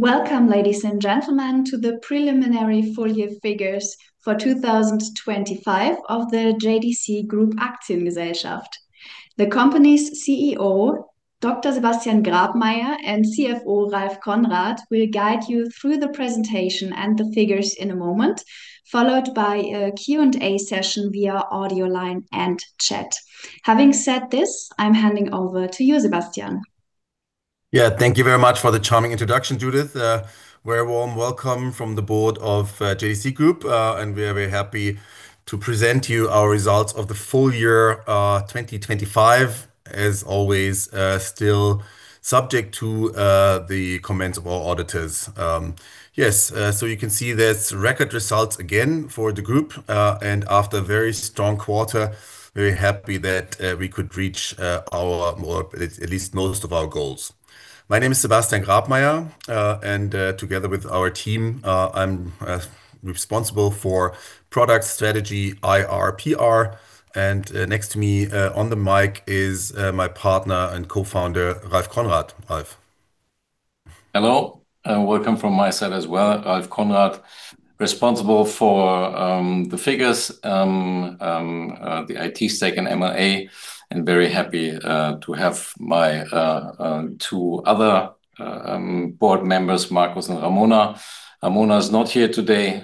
Welcome, ladies and gentlemen, to the preliminary full year figures for 2025 of the JDC Group AG. The company's CEO, Dr. Sebastian Grabmaier, and CFO, Ralph Konrad, will guide you through the presentation and the figures in a moment, followed by a Q&A session via audio line and chat. Having said this, I'm handing over to you, Sebastian. Yeah. Thank you very much for the charming introduction, Judith. A very warm welcome from the board of JDC Group, and we are very happy to present to you our results of the full year 2025 as always, still subject to the comments of our auditors. You can see there's record results again for the group, and after a very strong quarter, very happy that we could reach or at least most of our goals. My name is Sebastian Grabmaier, and together with our team, I'm responsible for product strategy, IR, PR. Next to me, on the mic is my partner and co-founder, Ralph Konrad. Ralph. Hello, and welcome from my side as well. Ralph Konrad, responsible for the figures, the IT stack and M&A, and very happy to have my two other board members, Markus and Ramona. Ramona is not here today.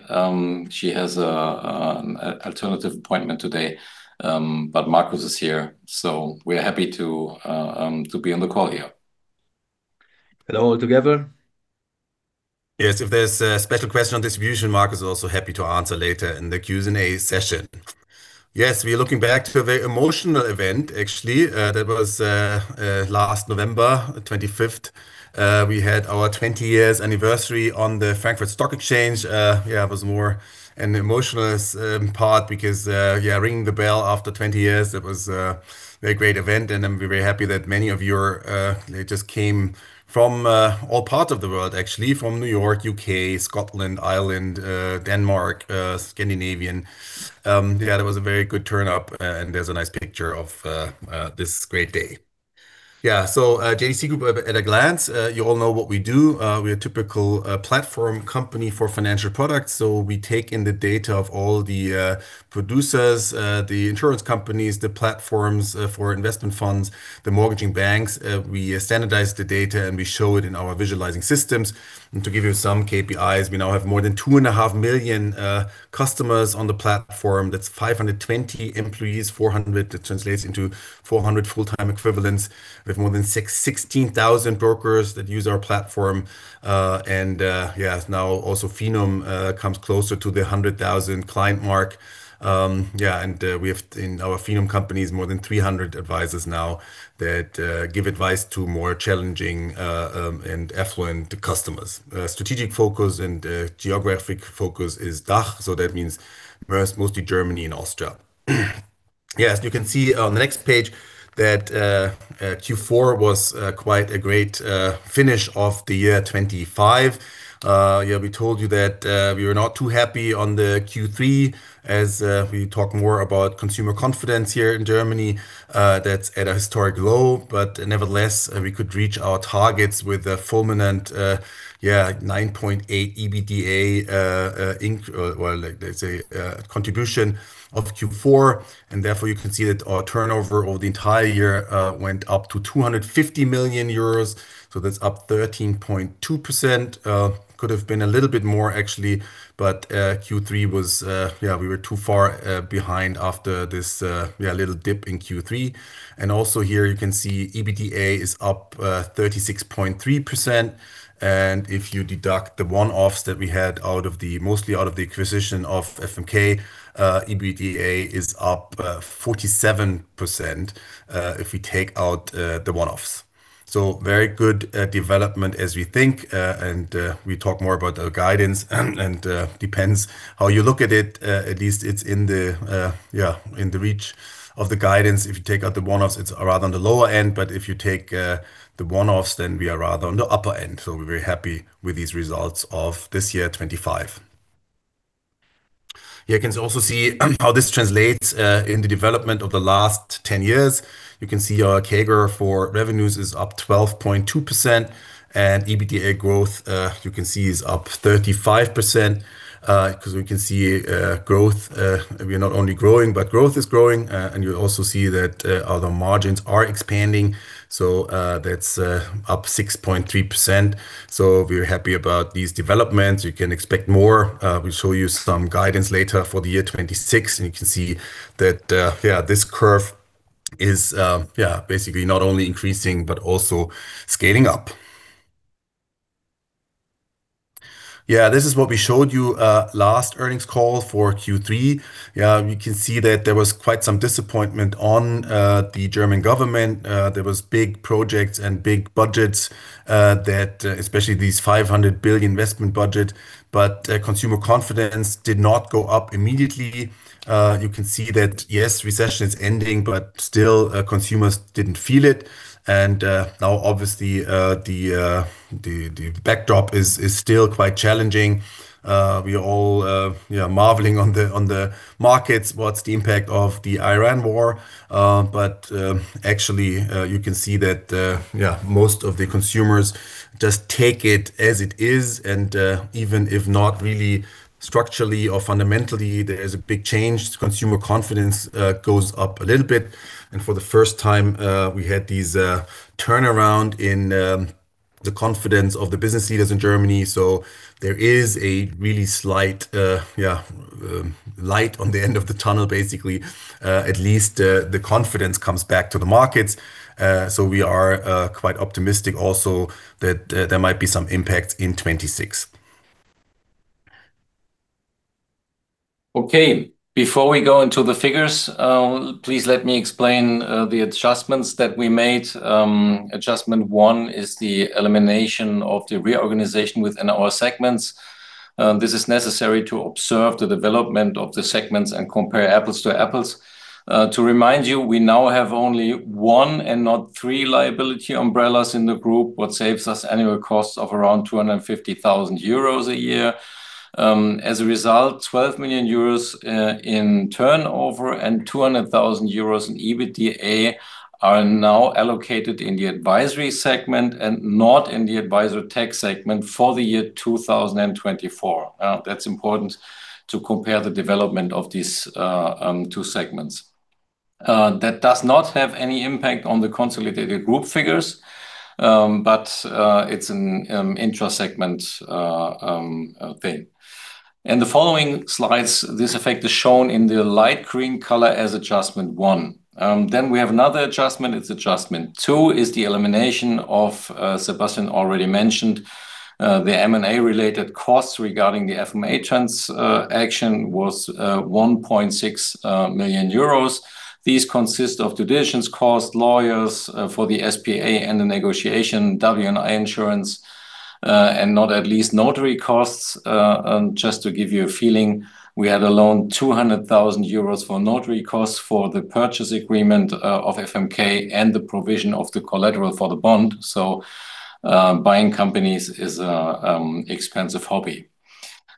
She has a alternative appointment today. Markus is here, so we are happy to be on the call here. Hello all together. Yes, if there's a special question on distribution, Markus is also happy to answer later in the Q&A session. Yes, we're looking back to a very emotional event, actually. That was last November 25th. We had our 20 years anniversary on the Frankfurt Stock Exchange. Yeah, it was more an emotional part because yeah, ringing the bell after 20 years, it was a very great event, and I'm very happy that many of you just came from all parts of the world actually. From New York, U.K., Scotland, Ireland, Denmark, Scandinavia. Yeah, that was a very good turnout, and there's a nice picture of this great day. JDC Group at a glance. You all know what we do. We're a typical platform company for financial products. We take in the data of all the producers, the insurance companies, the platforms for investment funds, the mortgage banks. We standardize the data, and we show it in our visualizing systems. To give you some KPIs, we now have more than 2.5 million customers on the platform. That's 520 employees. That translates into 400 full-time equivalents. We have more than 16,000 brokers that use our platform. Now also Finom comes closer to the 100,000 client mark. We have in our Finom companies more than 300 advisors now that give advice to more challenging and affluent customers. Strategic focus and geographic focus is DACH, so that means mostly Germany and Austria. Yes, you can see on the next page that Q4 was quite a great finish of the year 2025. We told you that we were not too happy on the Q3 as we talk more about consumer confidence here in Germany. That's at a historic low, but nevertheless, we could reach our targets with a fulminant 9.8 EBITDA contribution of Q4. Therefore, you can see that our turnover over the entire year went up to 250 million euros. That's up 13.2%. Could have been a little bit more actually, but Q3 was we were too far behind after this little dip in Q3. Also here you can see EBITDA is up 36.3%. If you deduct the one-offs that we had out of the mostly out of the acquisition of FMK, EBITDA is up 47%, if we take out the one-offs. Very good development as we think, and we talk more about the guidance and depends how you look at it. At least it's in the reach of the guidance. If you take out the one-offs, it's rather on the lower end, but if you take the one-offs, then we are rather on the upper end. We're very happy with these results of this year 2025. You can also see how this translates in the development of the last 10 years. You can see our CAGR for revenues is up 12.2% and EBITDA growth you can see is up 35%, 'cause we can see growth. We are not only growing, but growth is growing. And you also see that other margins are expanding. That's up 6.3%. We're happy about these developments. You can expect more. We'll show you some guidance later for the year 2026, and you can see that this curve is basically not only increasing but also scaling up. This is what we showed you last earnings call for Q3. You can see that there was quite some disappointment on the German government. There was big projects and big budgets that especially 500 billion investment budget, but consumer confidence did not go up immediately. You can see that, yes, recession is ending, but still, consumers didn't feel it. Now obviously the backdrop is still quite challenging. We all you know marveling on the markets what's the impact of the Iran war? But actually you can see that yeah most of the consumers just take it as it is. Even if not really structurally or fundamentally there is a big change. Consumer confidence goes up a little bit. For the first time, we had a turnaround in the confidence of the business leaders in Germany. There is a light at the end of the tunnel, basically. At least, the confidence comes back to the markets. We are quite optimistic also that there might be some impact in 2026. Before we go into the figures, please let me explain the adjustments that we made. Adjustment one is the elimination of the reorganization within our segments. This is necessary to observe the development of the segments and compare apples to apples. To remind you, we now have only one and not three liability umbrellas in the group, what saves us annual costs of around 250 thousand euros a year. As a result, 12 million euros in turnover and 200,000 euros in EBITDA are now allocated in the Advisory segment and not in the Advisortech segment for the year 2024. That's important to compare the development of these two segments. That does not have any impact on the consolidated group figures, but it's an intra segment thing. In the following slides, this effect is shown in the light green color as adjustment one. Then we have another adjustment. It's adjustment two, is the elimination of. Sebastian already mentioned the M&A related costs regarding the FM&A transaction was 1.6 million euros. These consist of transaction costs, lawyers for the SPA and the negotiation, W&I insurance, and not least notary costs. And just to give you a feeling, we had alone 200,000 euros for notary costs for the purchase agreement of FMK and the provision of the collateral for the bond. Buying companies is expensive hobby.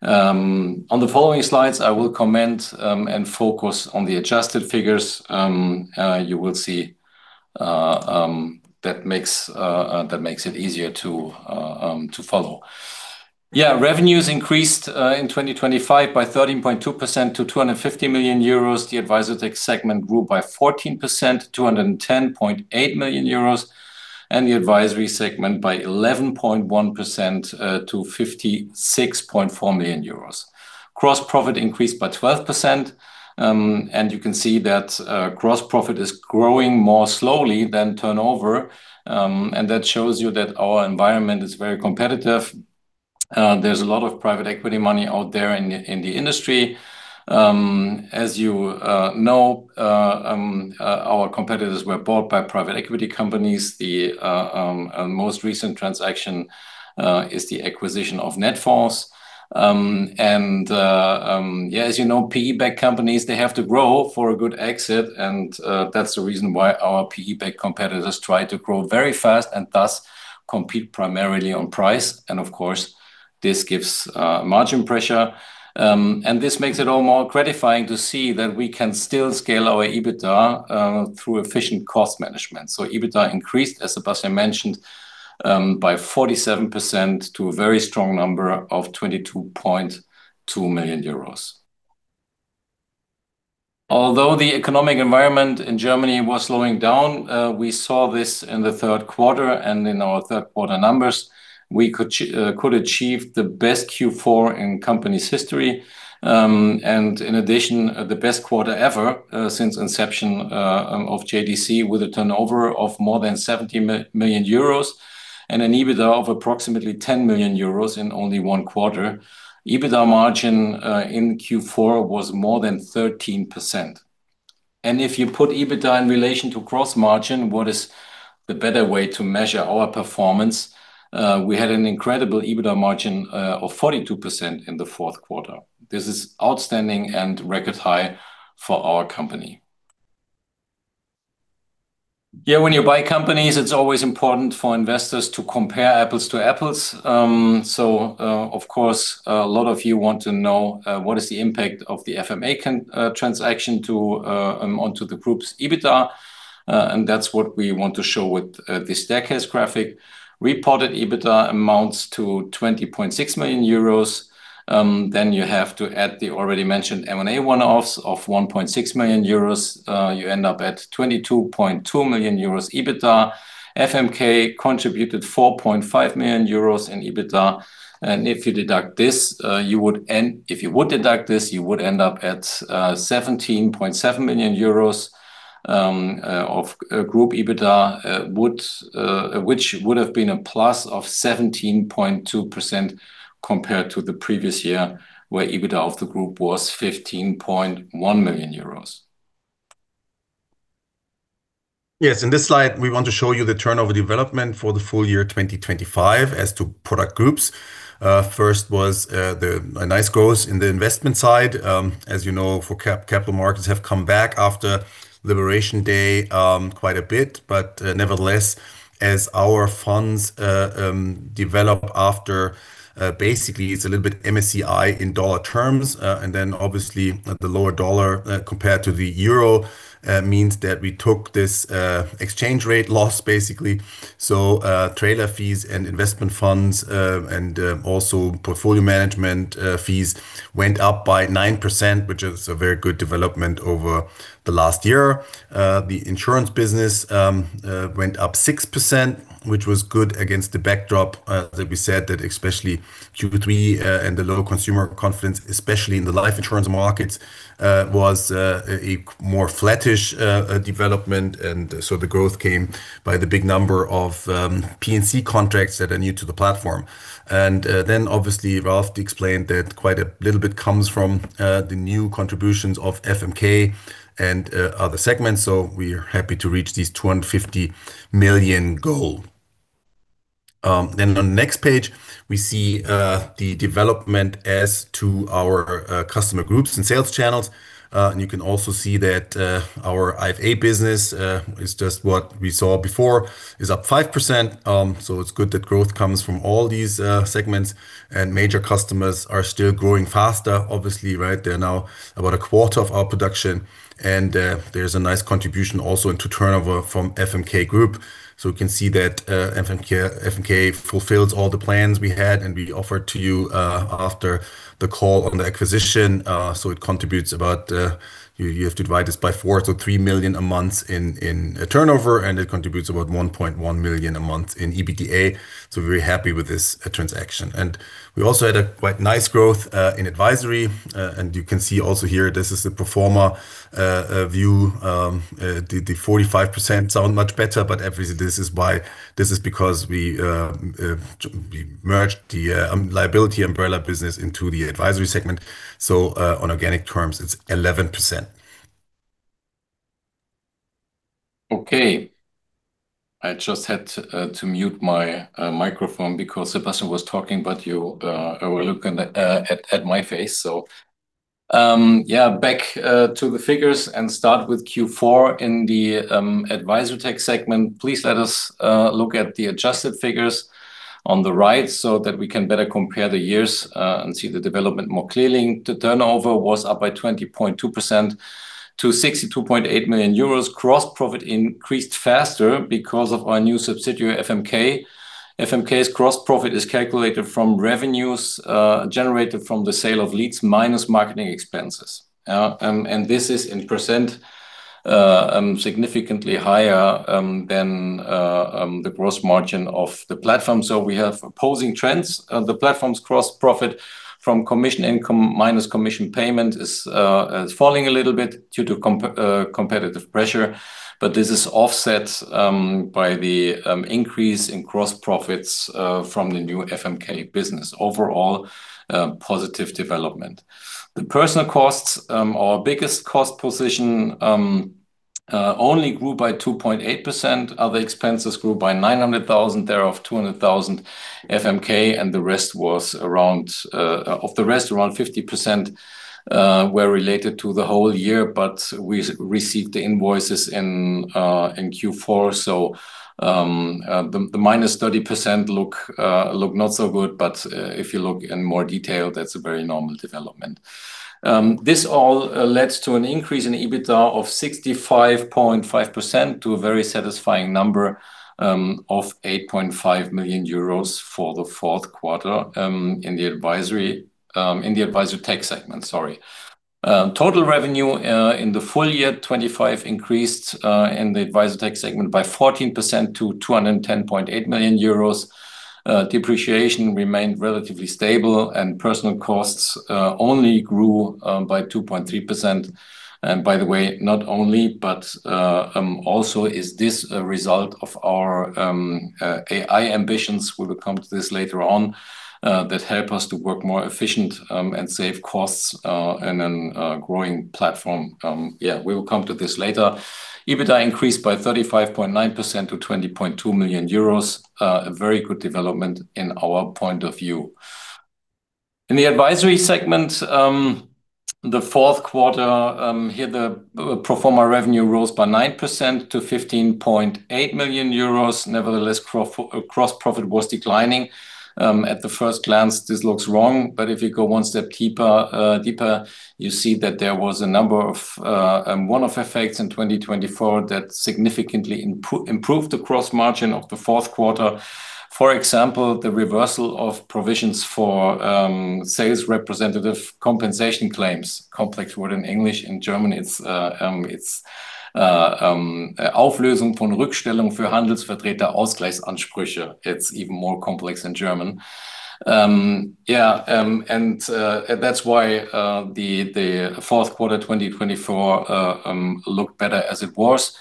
On the following slides, I will comment and focus on the adjusted figures. You will see that makes it easier to follow. Yeah. Revenues increased in 2025 by 13.2% to 250 million euros. The Advisortech segment grew by 14%, 210.8 million euros, and the advisory segment by 11.1% to 56.4 million euros. Gross profit increased by 12%, and you can see that gross profit is growing more slowly than turnover. That shows you that our environment is very competitive. There's a lot of private equity money out there in the industry. As you know, our competitors were bought by private equity companies. The most recent transaction is the acquisition of Netfonds. Yeah, as you know, PE-backed companies, they have to grow for a good exit. That's the reason why our PE-backed competitors try to grow very fast and thus compete primarily on price. Of course, this gives margin pressure. This makes it all more gratifying to see that we can still scale our EBITDA through efficient cost management. EBITDA increased, as Sebastian mentioned, by 47% to a very strong number of 22.2 million euros. Although the economic environment in Germany was slowing down, we saw this in the third quarter and in our third quarter numbers, we could achieve the best Q4 in company's history. In addition, the best quarter ever since inception of JDC with a turnover of more than 70 million euros and an EBITDA of approximately 10 million euros in only one quarter. EBITDA margin in Q4 was more than 13%. If you put EBITDA in relation to gross margin, what is the better way to measure our performance? We had an incredible EBITDA margin of 42% in the fourth quarter. This is outstanding and record high for our company. Yeah, when you buy companies, it's always important for investors to compare apples to apples. So, of course, a lot of you want to know what is the impact of the FM&A transaction onto the group's EBITDA, and that's what we want to show with this staircase graphic. Reported EBITDA amounts to 20.6 million euros. Then you have to add the already mentioned M&A one-offs of 1.6 million euros. You end up at 22.2 million euros EBITDA. FMK contributed 4.5 million euros in EBITDA. If you deduct this, you would end up at 17.7 million euros of group EBITDA, which would have been a plus of 17.2% compared to the previous year, where EBITDA of the group was 15.1 million euros. Yes, in this slide, we want to show you the turnover development for the full year 2025 as to product groups. First, a nice growth in the investment side. As you know, capital markets have come back after Liberation Day, quite a bit. Nevertheless, as our funds develop after, basically it's a little bit MSCI in dollar terms, and then obviously the lower dollar compared to the euro means that we took this exchange rate loss, basically. Trailer fees and investment funds, and also portfolio management fees went up by 9%, which is a very good development over the last year. The insurance business went up 6%, which was good against the backdrop that we said that especially Q3 and the low consumer confidence, especially in the life insurance markets, was a more flattish development. The growth came by the big number of P&C contracts that are new to the platform. Then obviously, Ralph explained that quite a little bit comes from the new contributions of FMK and other segments. We're happy to reach this 250 million goal. On the next page, we see the development as to our customer groups and sales channels. You can also see that our IFA business is just what we saw before, is up 5%. It’s good that growth comes from all these segments and major customers are still growing faster, obviously, right? They're now about a quarter of our production, and there's a nice contribution also into turnover from FMK Group. We can see that FMK fulfills all the plans we had and we offered to you after the call on the acquisition. It contributes about. You have to divide this by four, so 3 million a month in turnover, and it contributes about 1.1 million a month in EBITDA. We're happy with this transaction. We also had a quite nice growth in Advisory. You can see also here, this is the pro forma view. The 45% sound much better, but this is because we merged the liability umbrella business into the Advisory segment. On organic terms, it's 11%. Okay. I just had to mute my microphone because Sebastian was talking, but you were looking at my face. Back to the figures and start with Q4 in the Advisortech segment. Please let us look at the adjusted figures on the right so that we can better compare the years and see the development more clearly. The turnover was up by 20.2% to 62.8 million euros. Gross profit increased faster because of our new subsidiary, FMK. FMK's gross profit is calculated from revenues generated from the sale of leads minus marketing expenses. This is in percent significantly higher than the gross margin of the platform. We have opposing trends. The platform's gross profit from commission income minus commission payment is falling a little bit due to competitive pressure, but this is offset by the increase in gross profits from the new FMK business. Overall, a positive development. The personnel costs, our biggest cost position, only grew by 2.8%. Other expenses grew by 900,000, thereof 200,000 FMK, and the rest, around 50% of the rest, were related to the whole year. We received the invoices in Q4, so the minus 30% look not so good. If you look in more detail, that's a very normal development. This all led to an increase in EBITDA of 65.5% to a very satisfying number of 8.5 million euros for the fourth quarter in the Advisortech segment, sorry. Total revenue in the full year 2025 increased in the Advisortech segment by 14% to 210.8 million euros. Depreciation remained relatively stable, and personnel costs only grew by 2.3%. By the way, not only, but also this is a result of our AI ambitions, we will come to this later on, that help us to work more efficient, and save costs, in a growing platform. Yeah, we will come to this later. EBITDA increased by 35.9% to 20.2 million euros, a very good development in our point of view. In the advisory segment, the fourth quarter, here the pro forma revenue rose by 9% to 15.8 million euros. Nevertheless, gross profit was declining. At first glance, this looks wrong, but if you go one step deeper, you see that there was a number of one-off effects in 2024 that significantly improved the gross margin of the fourth quarter. For example, the reversal of provisions for sales representative compensation claims. Complex word in English. In German, it's Auflösung von Rückstellungen für Handelsvertreterausgleichsansprüche. It's even more complex in German. That's why the fourth quarter 2024 looked better as it was.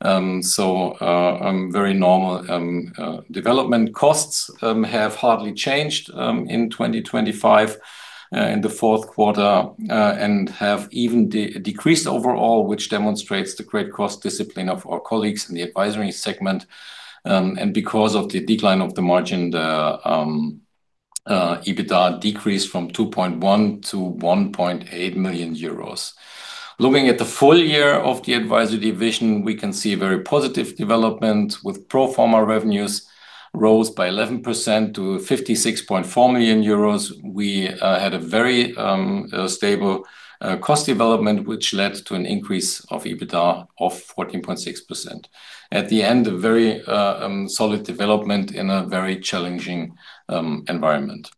Very normal development. Costs have hardly changed in 2025 in the fourth quarter and have even decreased overall, which demonstrates the great cost discipline of our colleagues in the advisory segment. Because of the decline of the margin, EBITDA decreased from 2.1 million to 1.8 million euros. Looking at the full year of the advisory division, we can see a very positive development with pro forma revenues rose by 11% to 56.4 million euros. We had a very stable cost development, which led to an increase of EBITDA of 14.6%. In the end, a very solid development in a very challenging environment.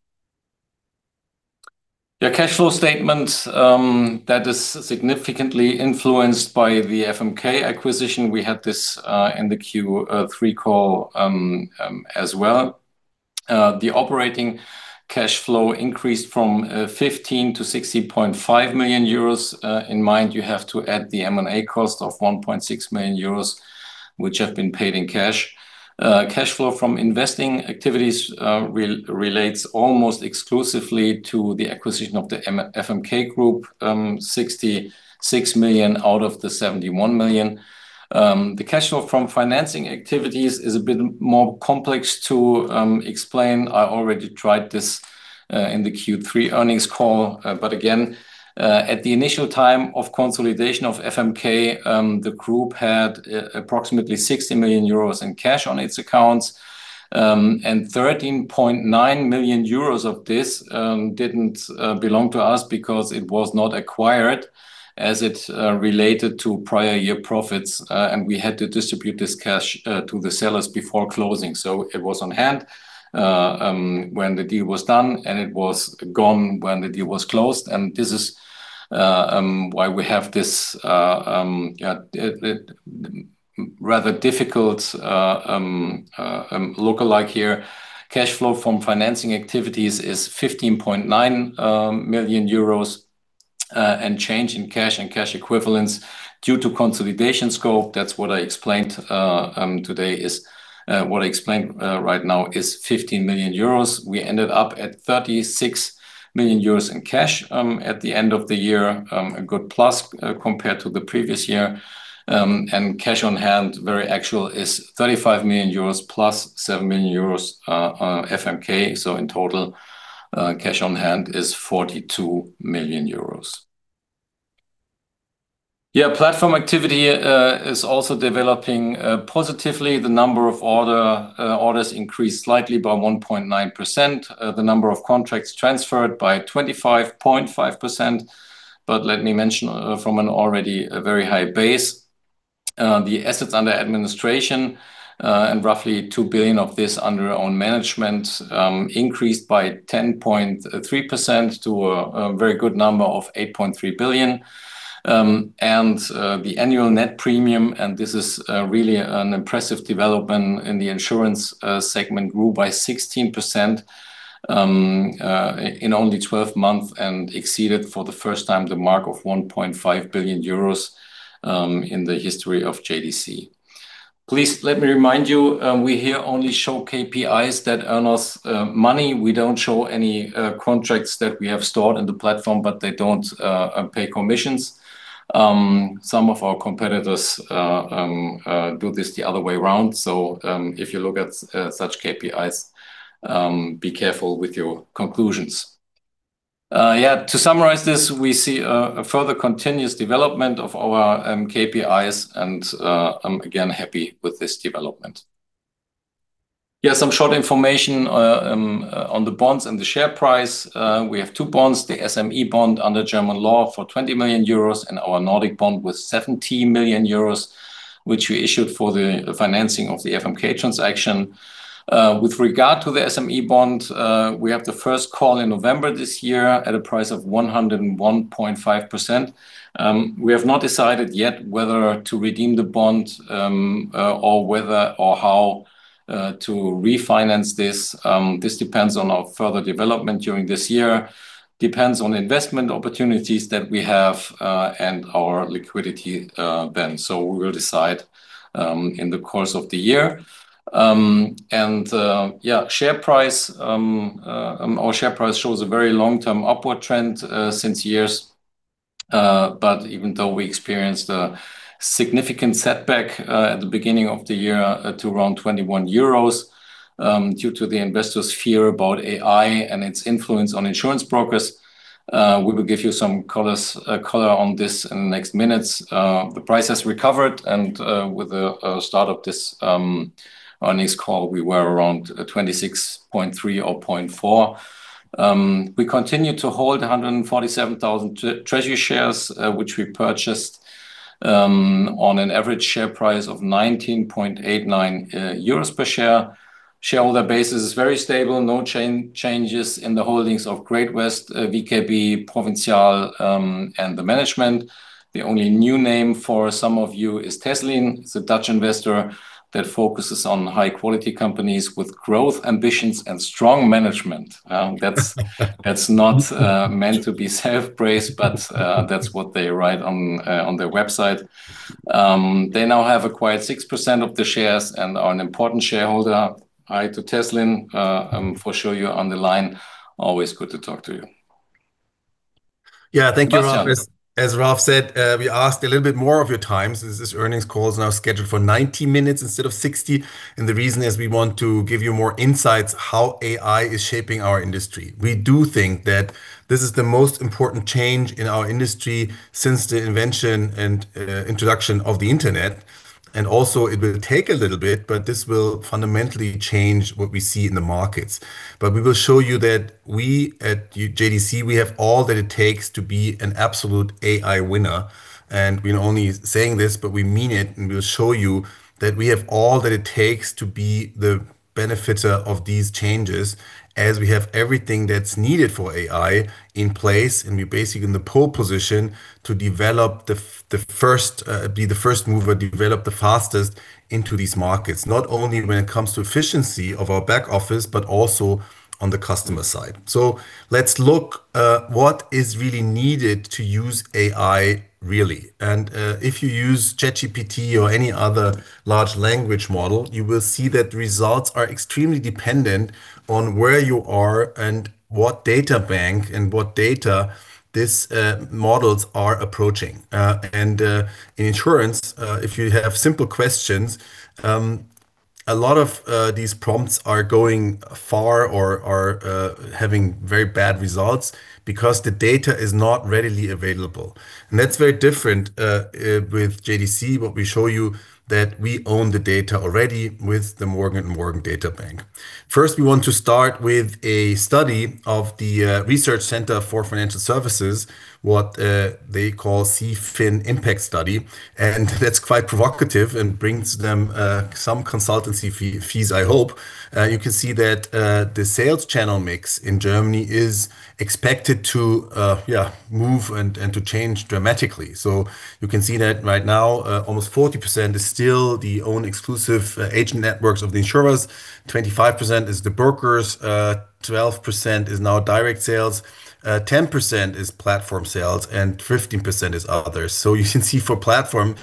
The cash flow statement that is significantly influenced by the FMK acquisition. We had this in the Q3 call as well. The operating cash flow increased from 15-16.5 million euros. Bear in mind, you have to add the M&A cost of 1.6 million euros, which have been paid in cash. Cash flow from investing activities relates almost exclusively to the acquisition of the FMK Group, 66 million out of the 71 million. The cash flow from financing activities is a bit more complex to explain. I already tried this in the Q3 earnings call. Again, at the initial time of consolidation of FMK, the group had approximately 60 million euros in cash on its accounts. 13.9 million euros of this didn't belong to us because it was not acquired as it related to prior year profits. We had to distribute this cash to the sellers before closing. It was on hand when the deal was done, and it was gone when the deal was closed. This is why we have this rather difficult lookalike here. Cash flow from financing activities is 15.9 million euros, and change in cash and cash equivalents due to consolidation scope. That's what I explained today, right now is 15 million euros. We ended up at 36 million euros in cash at the end of the year. A good plus compared to the previous year. Cash on hand, very actual, is 35 million euros plus 7 million euros, FMK. In total, cash on hand is 42 million euros. Yeah, platform activity is also developing positively. The number of orders increased slightly by 1.9%. The number of contracts transferred by 25.5%. Let me mention, from an already very high base, the assets under administration, and roughly 2 billion of this under own management, increased by 10.3% to a very good number of 8.3 billion. The annual net premium, and this is really an impressive development in the insurance segment, grew by 16% in only 12 months, and exceeded for the first time the mark of 1.5 billion euros in the history of JDC. Please let me remind you, we here only show KPIs that earn us money. We don't show any contracts that we have stored in the platform, but they don't pay commissions. Some of our competitors do this the other way around. If you look at such KPIs, be careful with your conclusions. To summarize this, we see a further continuous development of our KPIs, and I'm again happy with this development. Some short information on the bonds and the share price. We have two bonds, the SME bond under German law for 20 million euros, and our Nordic bond with 70 million euros, which we issued for the financing of the FMK transaction. With regard to the SME bond, we have the first call in November this year at a price of 101.5%. We have not decided yet whether to redeem the bond or whether or how to refinance this. This depends on our further development during this year, on investment opportunities that we have, and our liquidity then. We will decide in the course of the year. Our share price shows a very long-term upward trend for years. But even though we experienced a significant setback at the beginning of the year to around 21 euros, due to the investors' fear about AI and its influence on insurance brokers, we will give you some color on this in the next minutes. The price has recovered and with the start of this earnings call, we were around 26.3 or 26.4. We continue to hold 147,000 treasury shares, which we purchased on an average share price of 19.89 euros per share. Shareholder base is very stable. No changes in the holdings of Great-West Lifeco, VKB, Provinzial, and the management. The only new name for some of you is Teslin, it's a Dutch investor that focuses on high quality companies with growth ambitions and strong management. That's not meant to be self-praise, but that's what they write on their website. They now have acquired 6% of the shares and are an important shareholder. Hi to Teslin. I'm sure you're on the line. Always good to talk to you. Yeah. Thank you, Ralph. As Ralph said, we asked a little bit more of your time, so this earnings call is now scheduled for 90 minutes instead of 60. The reason is we want to give you more insights how AI is shaping our industry. We do think that this is the most important change in our industry since the invention and introduction of the internet. Also it will take a little bit, but this will fundamentally change what we see in the markets. We will show you that we at JDC, we have all that it takes to be an absolute AI winner. We're not only saying this, but we mean it, and we'll show you that we have all that it takes to be the benefits of these changes, as we have everything that's needed for AI in place, and we're basically in the pole position to be the first mover, develop the fastest into these markets. Not only when it comes to efficiency of our back office, but also on the customer side. Let's look what is really needed to use AI really. If you use ChatGPT or any other large language model, you will see that results are extremely dependent on where you are and what data bank and what data this models are approaching. In insurance, if you have simple questions, a lot of these prompts are going far or having very bad results because the data is not readily available. That's very different with JDC, what we show you that we own the data already with the Morgen & Morgen data bank. First, we want to start with a study of the Research Center for Financial Services, what they call CFin Impact Study. That's quite provocative and brings them some consultancy fees, I hope. You can see that the sales channel mix in Germany is expected to move and to change dramatically. You can see that right now, almost 40% is still the own exclusive agent networks of the insurers. 25% is the brokers. 12% is now direct sales. 10% is platform sales, and 15% is others. You can see for platform,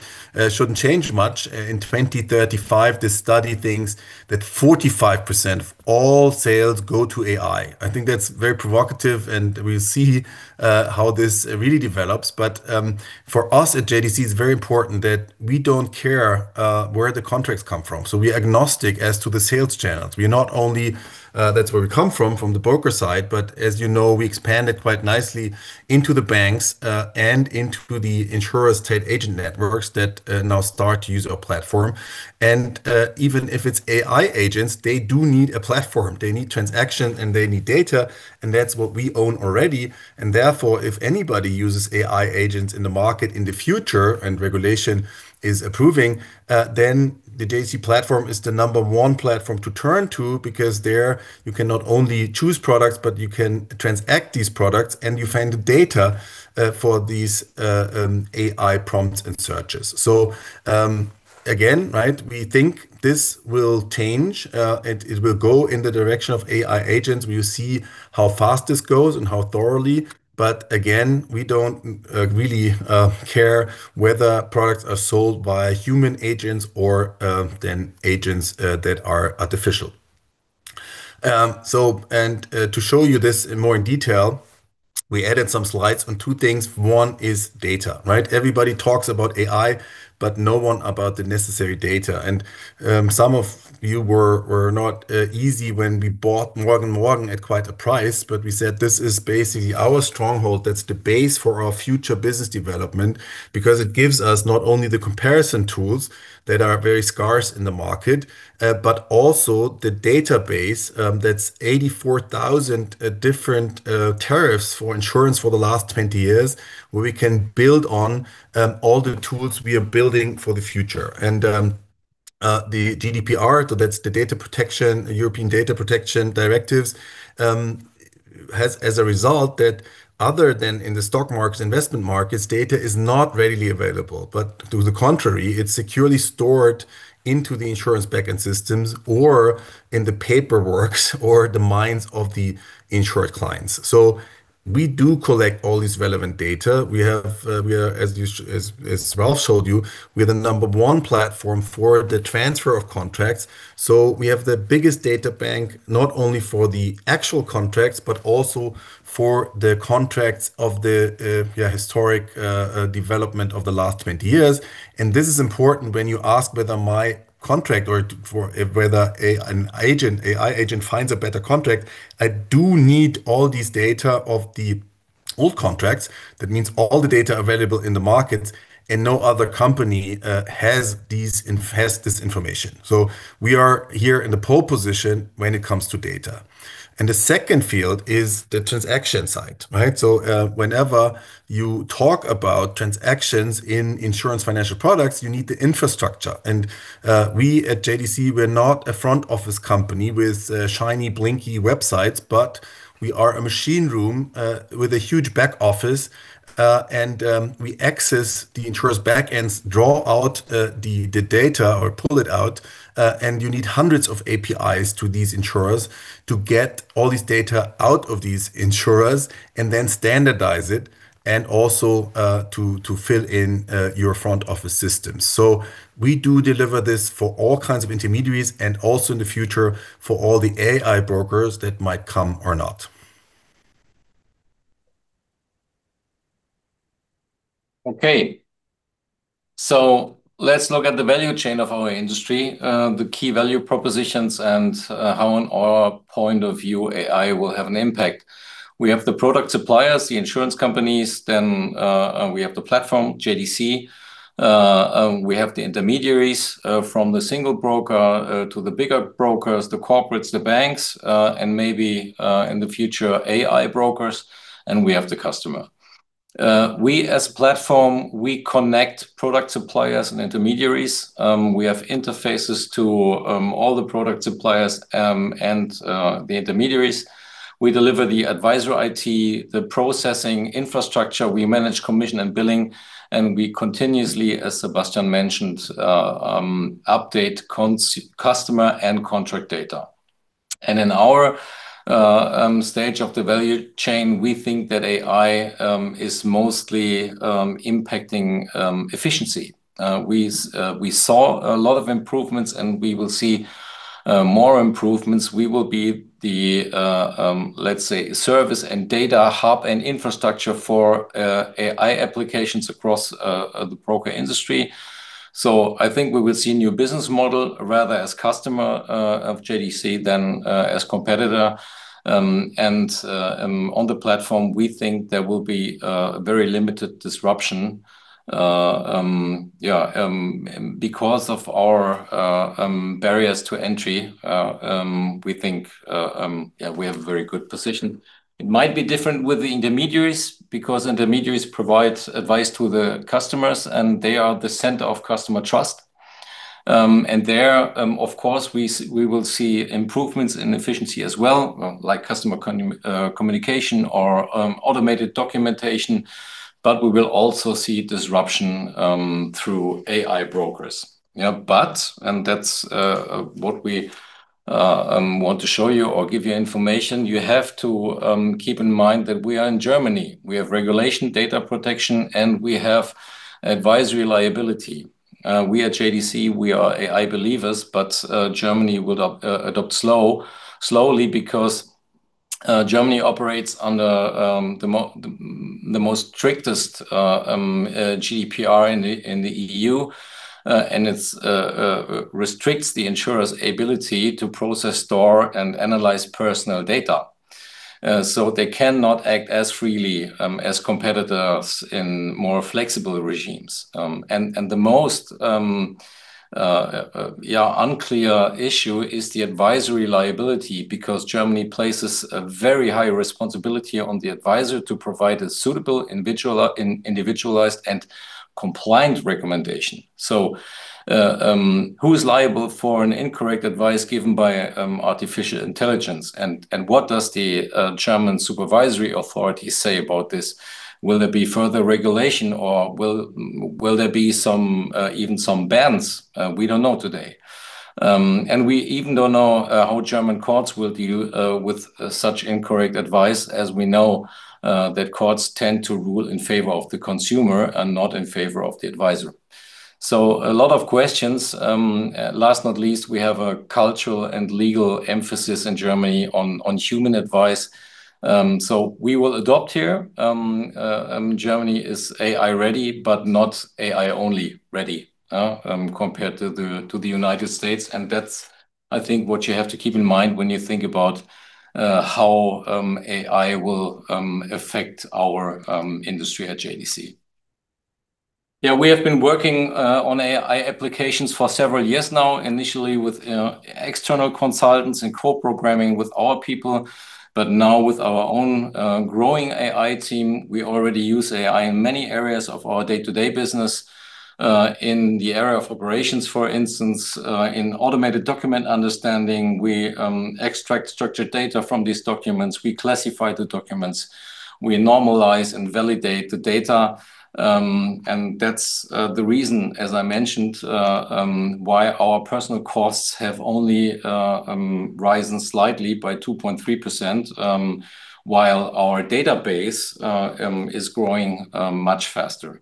shouldn't change much. In 2035, this study thinks that 45% of all sales go to AI. I think that's very provocative, and we'll see how this really develops. For us at JDC, it's very important that we don't care where the contracts come from. We're agnostic as to the sales channels. We're not only, that's where we come from the broker side, but as you know, we expanded quite nicely into the banks, and into the insurers trade agent networks that now start to use our platform. Even if it's AI agents, they do need a platform. They need transaction, and they need data, and that's what we own already. Therefore, if anybody uses AI agents in the market in the future and regulation is approving, then the JDC platform is the number one platform to turn to because there you can not only choose products, but you can transact these products, and you find the data for these AI prompts and searches. Again, right, we think this will change, it will go in the direction of AI agents. We will see how fast this goes and how thoroughly, but again, we don't really care whether products are sold by human agents or then agents that are artificial. To show you this in more detail, we added some slides on two things. One is data, right? Everybody talks about AI, but no one about the necessary data. Some of you were not easy when we bought Morgen & Morgen at quite a price, but we said, this is basically our stronghold. That's the base for our future business development because it gives us not only the comparison tools that are very scarce in the market, but also the database, that's 84,000 different tariffs for insurance for the last 20 years, where we can build on, all the tools we are building for the future. The GDPR, so that's the data protection, European data protection directives, has as a result that other than in the stock markets, investment markets, data is not readily available. To the contrary, it's securely stored into the insurance backend systems or in the paperwork or the minds of the insured clients. We do collect all this relevant data. We have, as Ralph showed you, we're the number one platform for the transfer of contracts. We have the biggest data bank, not only for the actual contracts, but also for the contracts of the historic development of the last 20 years. This is important when you ask whether an AI agent finds a better contract. I do need all these data of the old contracts. That means all the data available in the markets and no other company has this information. We are here in the pole position when it comes to data. The second field is the transaction side, right? Whenever you talk about transactions in insurance financial products, you need the infrastructure. We at JDC, we're not a front office company with shiny blinky websites, but we are a machine room with a huge back office. We access the insurer's backends, draw out the data, or pull it out and you need hundreds of APIs to these insurers to get all this data out of these insurers and then standardize it and also to fill in your front office systems. We do deliver this for all kinds of intermediaries and also in the future for all the AI brokers that might come or not. Okay. Let's look at the value chain of our industry, the key value propositions and how in our point of view AI will have an impact. We have the product suppliers, the insurance companies, then we have the platform, JDC. We have the intermediaries, from the single broker to the bigger brokers, the corporates, the banks, and maybe in the future, AI brokers, and we have the customer. We as platform, we connect product suppliers and intermediaries. We have interfaces to all the product suppliers and the intermediaries. We deliver the advisor IT, the processing infrastructure. We manage commission and billing, and we continuously, as Sebastian mentioned, update customer and contract data. In our stage of the value chain, we think that AI is mostly impacting efficiency. We saw a lot of improvements, and we will see more improvements. We will be the, let's say, service and data hub and infrastructure for the broker industry. I think we will see a new business model rather as customer of JDC than as competitor. On the platform, we think there will be a very limited disruption. Because of our barriers to entry, we think we have a very good position. It might be different with the intermediaries because intermediaries provide advice to the customers, and they are the center of customer trust. Of course, we will see improvements in efficiency as well, like customer communication or automated documentation, but we will also see disruption through AI brokers. That's what we want to show you or give you information you have to keep in mind that we are in Germany. We have regulation, data protection, and we have advisory liability. We at JDC are AI believers, but Germany will adopt slowly because Germany operates under the strictest GDPR in the EU, and it restricts the insurer's ability to process, store, and analyze personal data. They cannot act as freely as competitors in more flexible regimes. The most unclear issue is the advisory liability because Germany places a very high responsibility on the advisor to provide a suitable, individual, individualized, and compliant recommendation. Who's liable for an incorrect advice given by artificial intelligence? What does the German supervisory authority say about this? Will there be further regulation or will there be some even some bans? We don't know today. We even don't know how German courts will deal with such incorrect advice as we know that courts tend to rule in favor of the consumer and not in favor of the advisor. A lot of questions. Last but not least, we have a cultural and legal emphasis in Germany on human advice. We will adopt here. Germany is AI ready, but not AI only ready, compared to the United States, and that's, I think, what you have to keep in mind when you think about how AI will affect our industry at JDC. Yeah, we have been working on AI applications for several years now, initially with external consultants and co-programming with our people. Now with our own growing AI team, we already use AI in many areas of our day-to-day business. In the area of operations, for instance, in automated document understanding. We extract structured data from these documents. We classify the documents. We normalize and validate the data. That's the reason, as I mentioned, why our personnel costs have only risen slightly by 2.3%, while our database is growing much faster.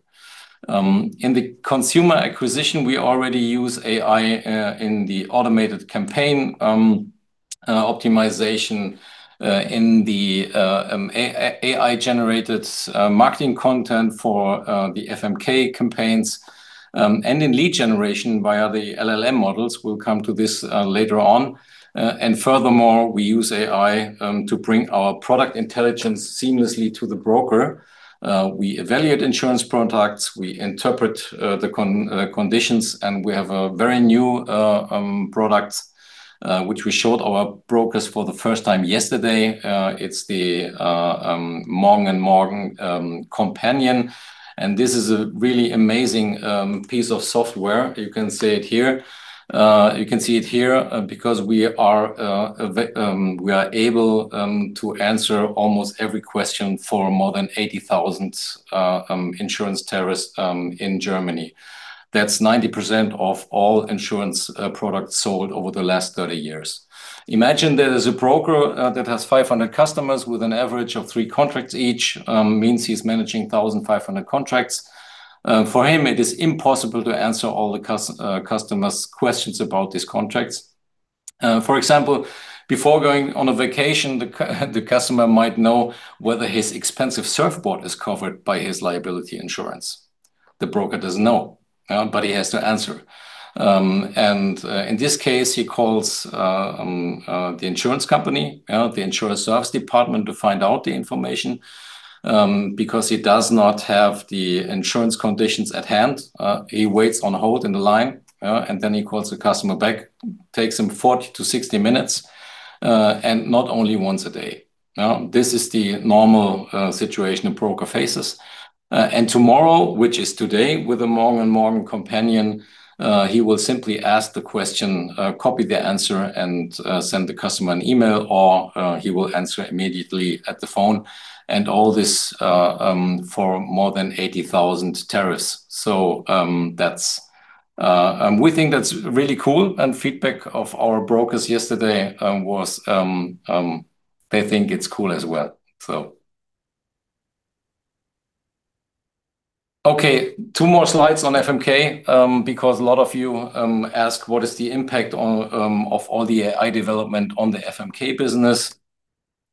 In the consumer acquisition, we already use AI in the automated campaign optimization in the AI-generated marketing content for the FMK campaigns, and in lead generation via the LLM models. We'll come to this later on. Furthermore, we use AI to bring our product intelligence seamlessly to the broker. We evaluate insurance products. We interpret the conditions, and we have a very new product which we showed our brokers for the first time yesterday. It's the Morgen & Morgen Companion, and this is a really amazing piece of software. You can see it here because we are able to answer almost every question for more than 80,000 insurance tariffs in Germany. That's 90% of all insurance products sold over the last 30 years. Imagine there is a broker that has 500 customers with an average of three contracts each, means he's managing 1,500 contracts. For him, it is impossible to answer all the customer's questions about these contracts. For example, before going on a vacation, the customer might know whether his expensive surfboard is covered by his liability insurance. The broker doesn't know, but he has to answer. In this case, he calls the insurance company, the insurance service department to find out the information, because he does not have the insurance conditions at hand. He waits on hold in the line, and then he calls the customer back. Takes him 40-60 minutes, and not only once a day. Now, this is the normal situation a broker faces. Tomorrow, which is today, with the Morgen & Morgen Companion, he will simply ask the question, copy the answer, and send the customer an email, or he will answer immediately at the phone. All this, for more than 80,000 tariffs. That's. We think that's really cool, and feedback from our brokers yesterday was they think it's cool as well. Okay, two more slides on FMK, because a lot of you ask what is the impact of all the AI development on the FMK business.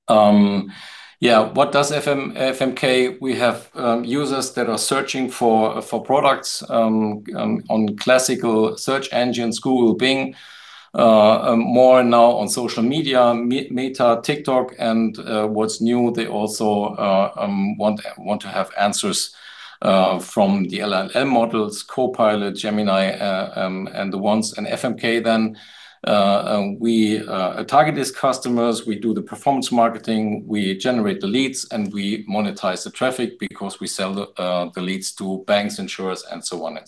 What does FMK. We have users that are searching for products on classical search engines, Google, Bing, more now on social media, Meta, TikTok, and what's new, they also want to have answers from the LLM models, Copilot, Gemini, and the ones. FMK then we target these customers, we do the performance marketing, we generate the leads, and we monetize the traffic because we sell the leads to banks, insurers, and so on.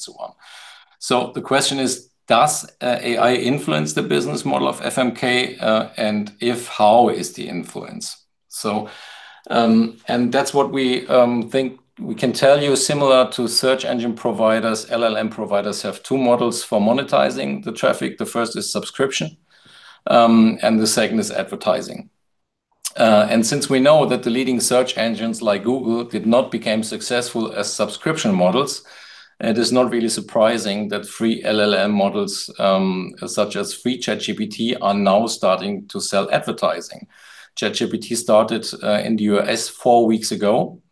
The question is, does AI influence the business model of FMK, and if, how is the influence? That's what we think we can tell you, similar to search engine providers. LLM providers have two models for monetizing the traffic. The first is subscription, and the second is advertising. Since we know that the leading search engines like Google did not become successful as subscription models, it is not really surprising that free LLM models, such as free ChatGPT are now starting to sell advertising. ChatGPT started in the U.S. four weeks ago,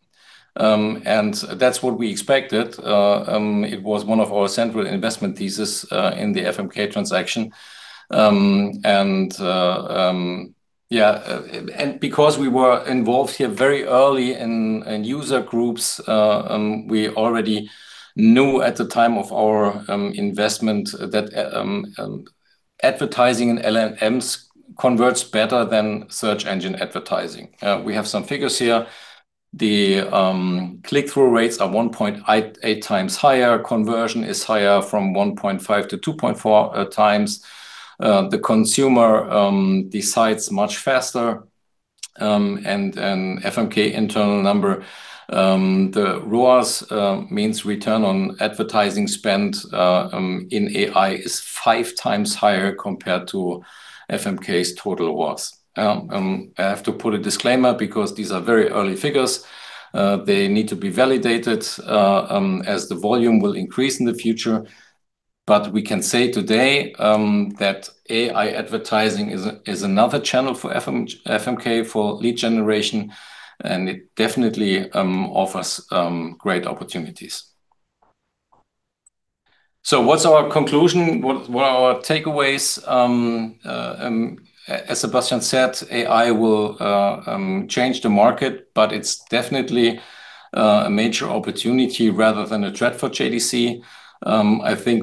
and that's what we expected. It was one of our central investment thesis in the FMK transaction. Because we were involved here very early in user groups, we already knew at the time of our investment that advertising in LLMs converts better than search engine advertising. We have some figures here. The click-through rates are 1.8x higher. Conversion is higher from 1.5x to 2.4x. The consumer decides much faster. An FMK internal number, the ROAS means return on advertising spend in AI is 5x higher compared to FMK's total ROAS. I have to put a disclaimer because these are very early figures, they need to be validated as the volume will increase in the future. We can say today that AI advertising is another channel for FMK for lead generation, and it definitely offers great opportunities. What's our conclusion? What are our takeaways? As Sebastian said, AI will change the market, but it's definitely a major opportunity rather than a threat for JDC. I think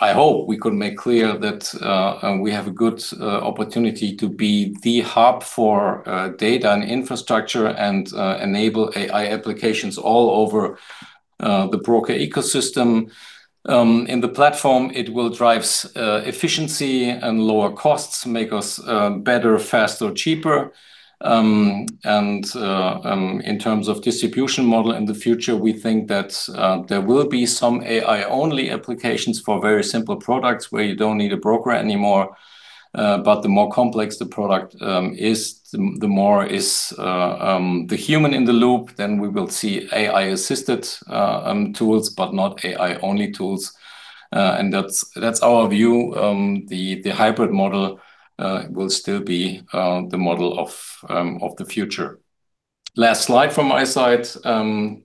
I hope we could make clear that we have a good opportunity to be the hub for data and infrastructure and enable AI applications all over the broker ecosystem. In the platform, it will drive efficiency and lower costs, make us better, faster, cheaper. In terms of distribution model in the future, we think that there will be some AI-only applications for very simple products where you don't need a broker anymore, but the more complex the product is, the more is the human in the loop, then we will see AI-assisted tools, but not AI-only tools. That's our view. The hybrid model will still be the model of the future. Last slide from my side.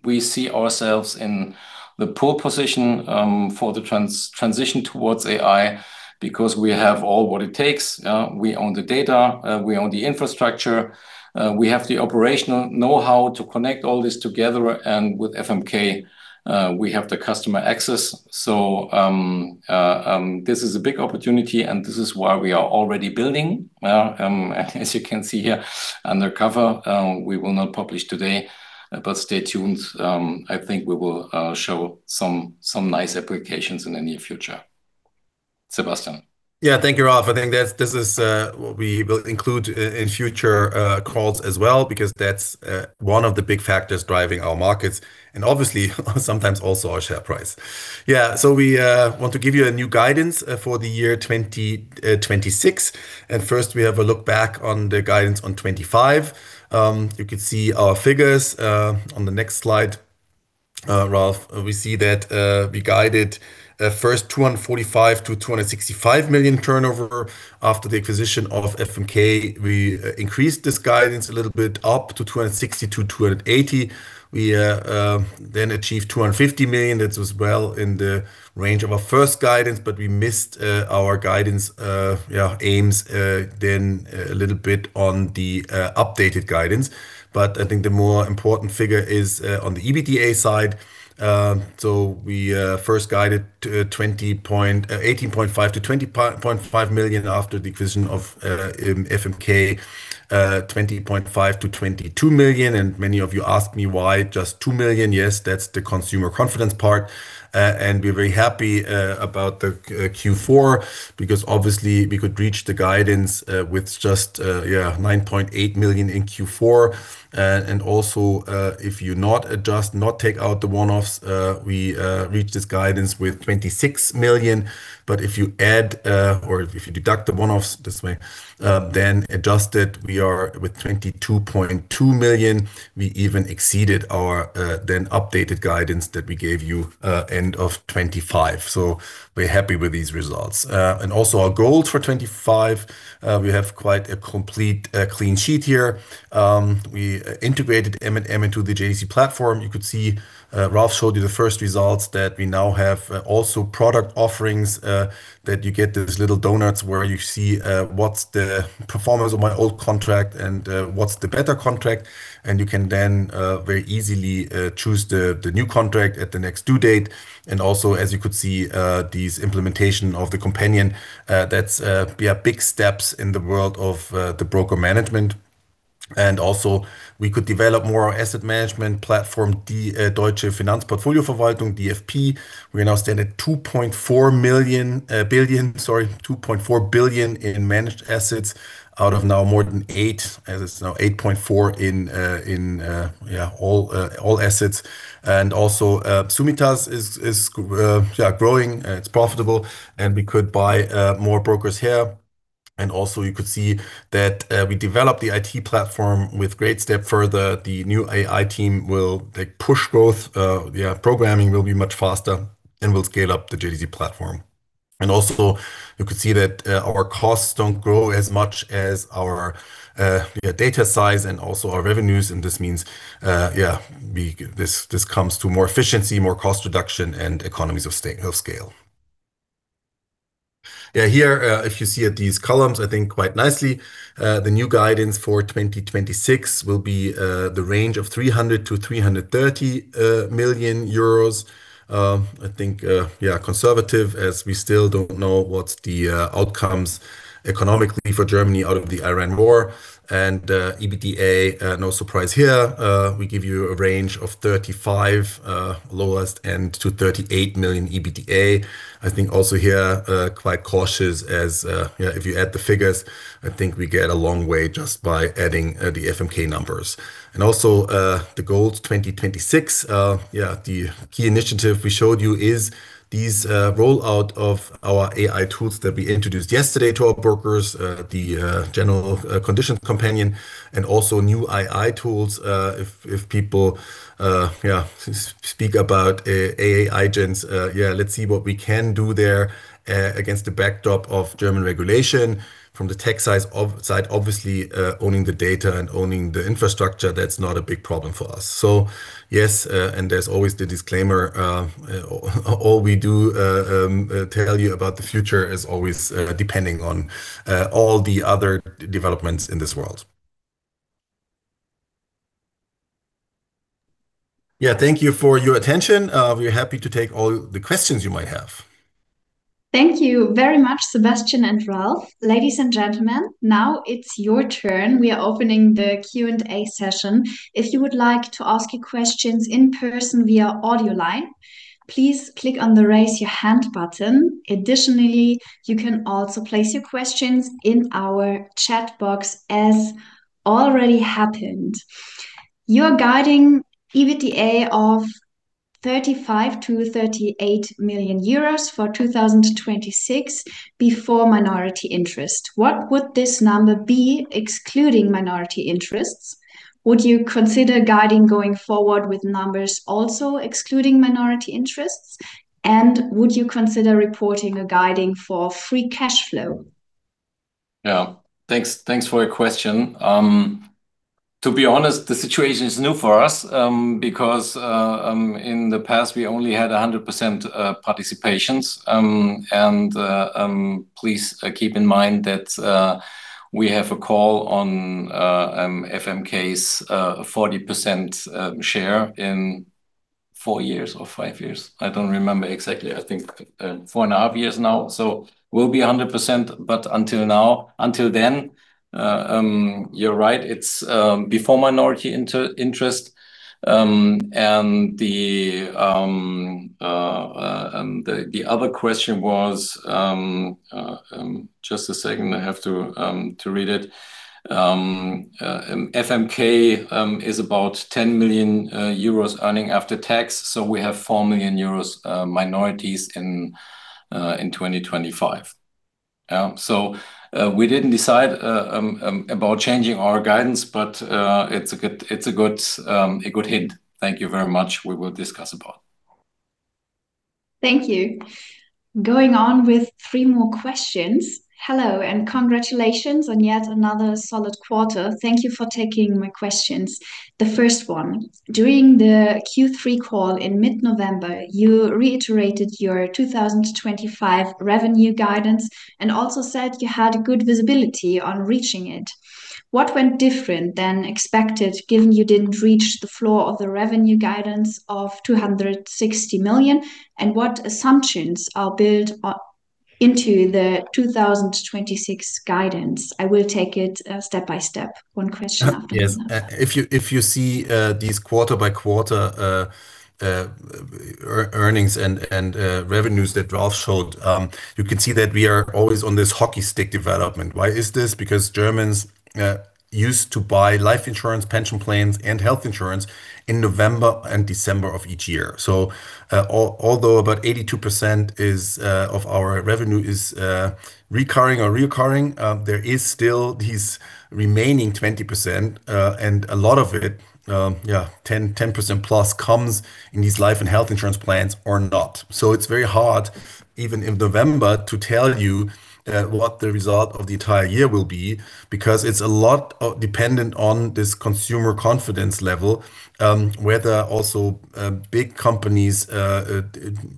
We see ourselves in the pole position for the transition towards AI because we have all what it takes. We own the data, we own the infrastructure, we have the operational know-how to connect all this together, and with FMK, we have the customer access. This is a big opportunity, and this is why we are already building, as you can see here, undercover. We will not publish today, but stay tuned. I think we will show some nice applications in the near future. Sebastian. Yeah. Thank you, Ralph. I think this is we will include in future calls as well because that's one of the big factors driving our markets and obviously sometimes also our share price. Yeah. We want to give you a new guidance for the year 2026. First, we have a look back on the guidance on 2025. You can see our figures on the next slide, Ralph. We see that we guided first 245-265 million turnover. After the acquisition of FMK, we increased this guidance a little bit up to 260-280 million. We then achieved 250 million. That was well in the range of our first guidance, but we missed our guidance aims, then a little bit on the updated guidance. I think the more important figure is on the EBITDA side. We first guided 18.5-20.5 million after the acquisition of FMK, 20.5-22 million. Many of you ask me why just 2 million. Yes, that's the consumer confidence part. We're very happy about the Q4 because obviously we could reach the guidance with just 9.8 million in Q4. Also, if you not take out the one-offs, we reach this guidance with 26 million. If you add or if you deduct the one-offs this way, then adjusted, we are with 22.2 million. We even exceeded our then updated guidance that we gave you end of 2025. We're happy with these results. Also our goals for 2025, we have quite a complete clean sheet here. We integrated M&M into the JDC platform. You could see Ralph showed you the first results that we now have also product offerings that you get those little donuts where you see what's the performance of my old contract and what's the better contract. You can then very easily choose the new contract at the next due date. As you could see, this implementation of the Companion, that's big steps in the world of the broker management. We could develop more asset management platform, the Deutsche Finanz Portfolioverwaltung, DFP. We now stand at 2.4 billion in managed assets out of now more than eight, as it's now 8.4 billion in all assets. Summitas is growing, it's profitable, and we could buy more brokers here. You could see that we developed the IT platform with great step further. The new AI team will push growth. Programming will be much faster, and we'll scale up the JDC platform. You could see that our costs don't grow as much as our data size and also our revenues. This comes to more efficiency, more cost reduction, and economies of scale. Here, if you see at these columns, I think quite nicely the new guidance for 2026 will be the range of 300-330 million euros. I think conservative as we still don't know what's the outcomes economically for Germany out of the Iran war. EBITDA, no surprise here, we give you a range of 35, lowest end to 38 million EBITDA. I think also here quite cautious as if you add the figures, I think we get a long way just by adding the FMK numbers. The goals 2026, the key initiative we showed you is these rollout of our AI tools that we introduced yesterday to our brokers, the Morgen & Morgen Companion and also new AI tools. If people speak about AI agents, let's see what we can do there against the backdrop of German regulation. From the tech side, obviously, owning the data and owning the infrastructure, that's not a big problem for us. Yes, and there's always the disclaimer, all we do tell you about the future is always depending on all the other developments in this world. Yeah, thank you for your attention. We're happy to take all the questions you might have. Thank you very much, Sebastian and Ralph. Ladies and gentlemen, now it's your turn. We are opening the Q&A session. If you would like to ask your questions in person via audio line, please click on the Raise Your Hand button. Additionally, you can also place your questions in our chat box as already happened. Your guidance EBITDA of 35-38 million euros for 2026 before minority interest, what would this number be excluding minority interests? Would you consider guiding going forward with numbers also excluding minority interests? Would you consider reporting a guidance for free cash flow? Thanks for your question. To be honest, the situation is new for us, because in the past, we only had 100% participations. Please keep in mind that we have a call on FMK's 40% share in four years or five years. I don't remember exactly. I think 4.5 years now. We'll be 100%, but until then, you're right, it's pre-minority interest. The other question was. Just a second, I have to read it. FMK is about 10 million euros earnings after tax, so we have 4 million euros minority interest in 2025. We didn't decide about changing our guidance, but it's a good hint. Thank you very much. We will discuss about. Thank you. Going on with three more questions. Hello, and congratulations on yet another solid quarter. Thank you for taking my questions. The first one, during the Q3 call in mid-November, you reiterated your 2025 revenue guidance and also said you had good visibility on reaching it. What went different than expected, given you didn't reach the floor of the revenue guidance of 260 million? And what assumptions are built into the 2026 guidance? I will take it step by step, one question after another. Yes. If you see these quarter-by-quarter earnings and revenues that Ralph showed, you can see that we are always on this hockey stick development. Why is this? Because Germans used to buy life insurance, pension plans, and health insurance in November and December of each year. Although about 82% of our revenue is recurring or reoccurring, there is still this remaining 20%, and a lot of it, yeah, 10% plus comes in these life and health insurance plans or not. It's very hard, even in November, to tell you what the result of the entire year will be, because it's a lot dependent on this consumer confidence level, whether also big companies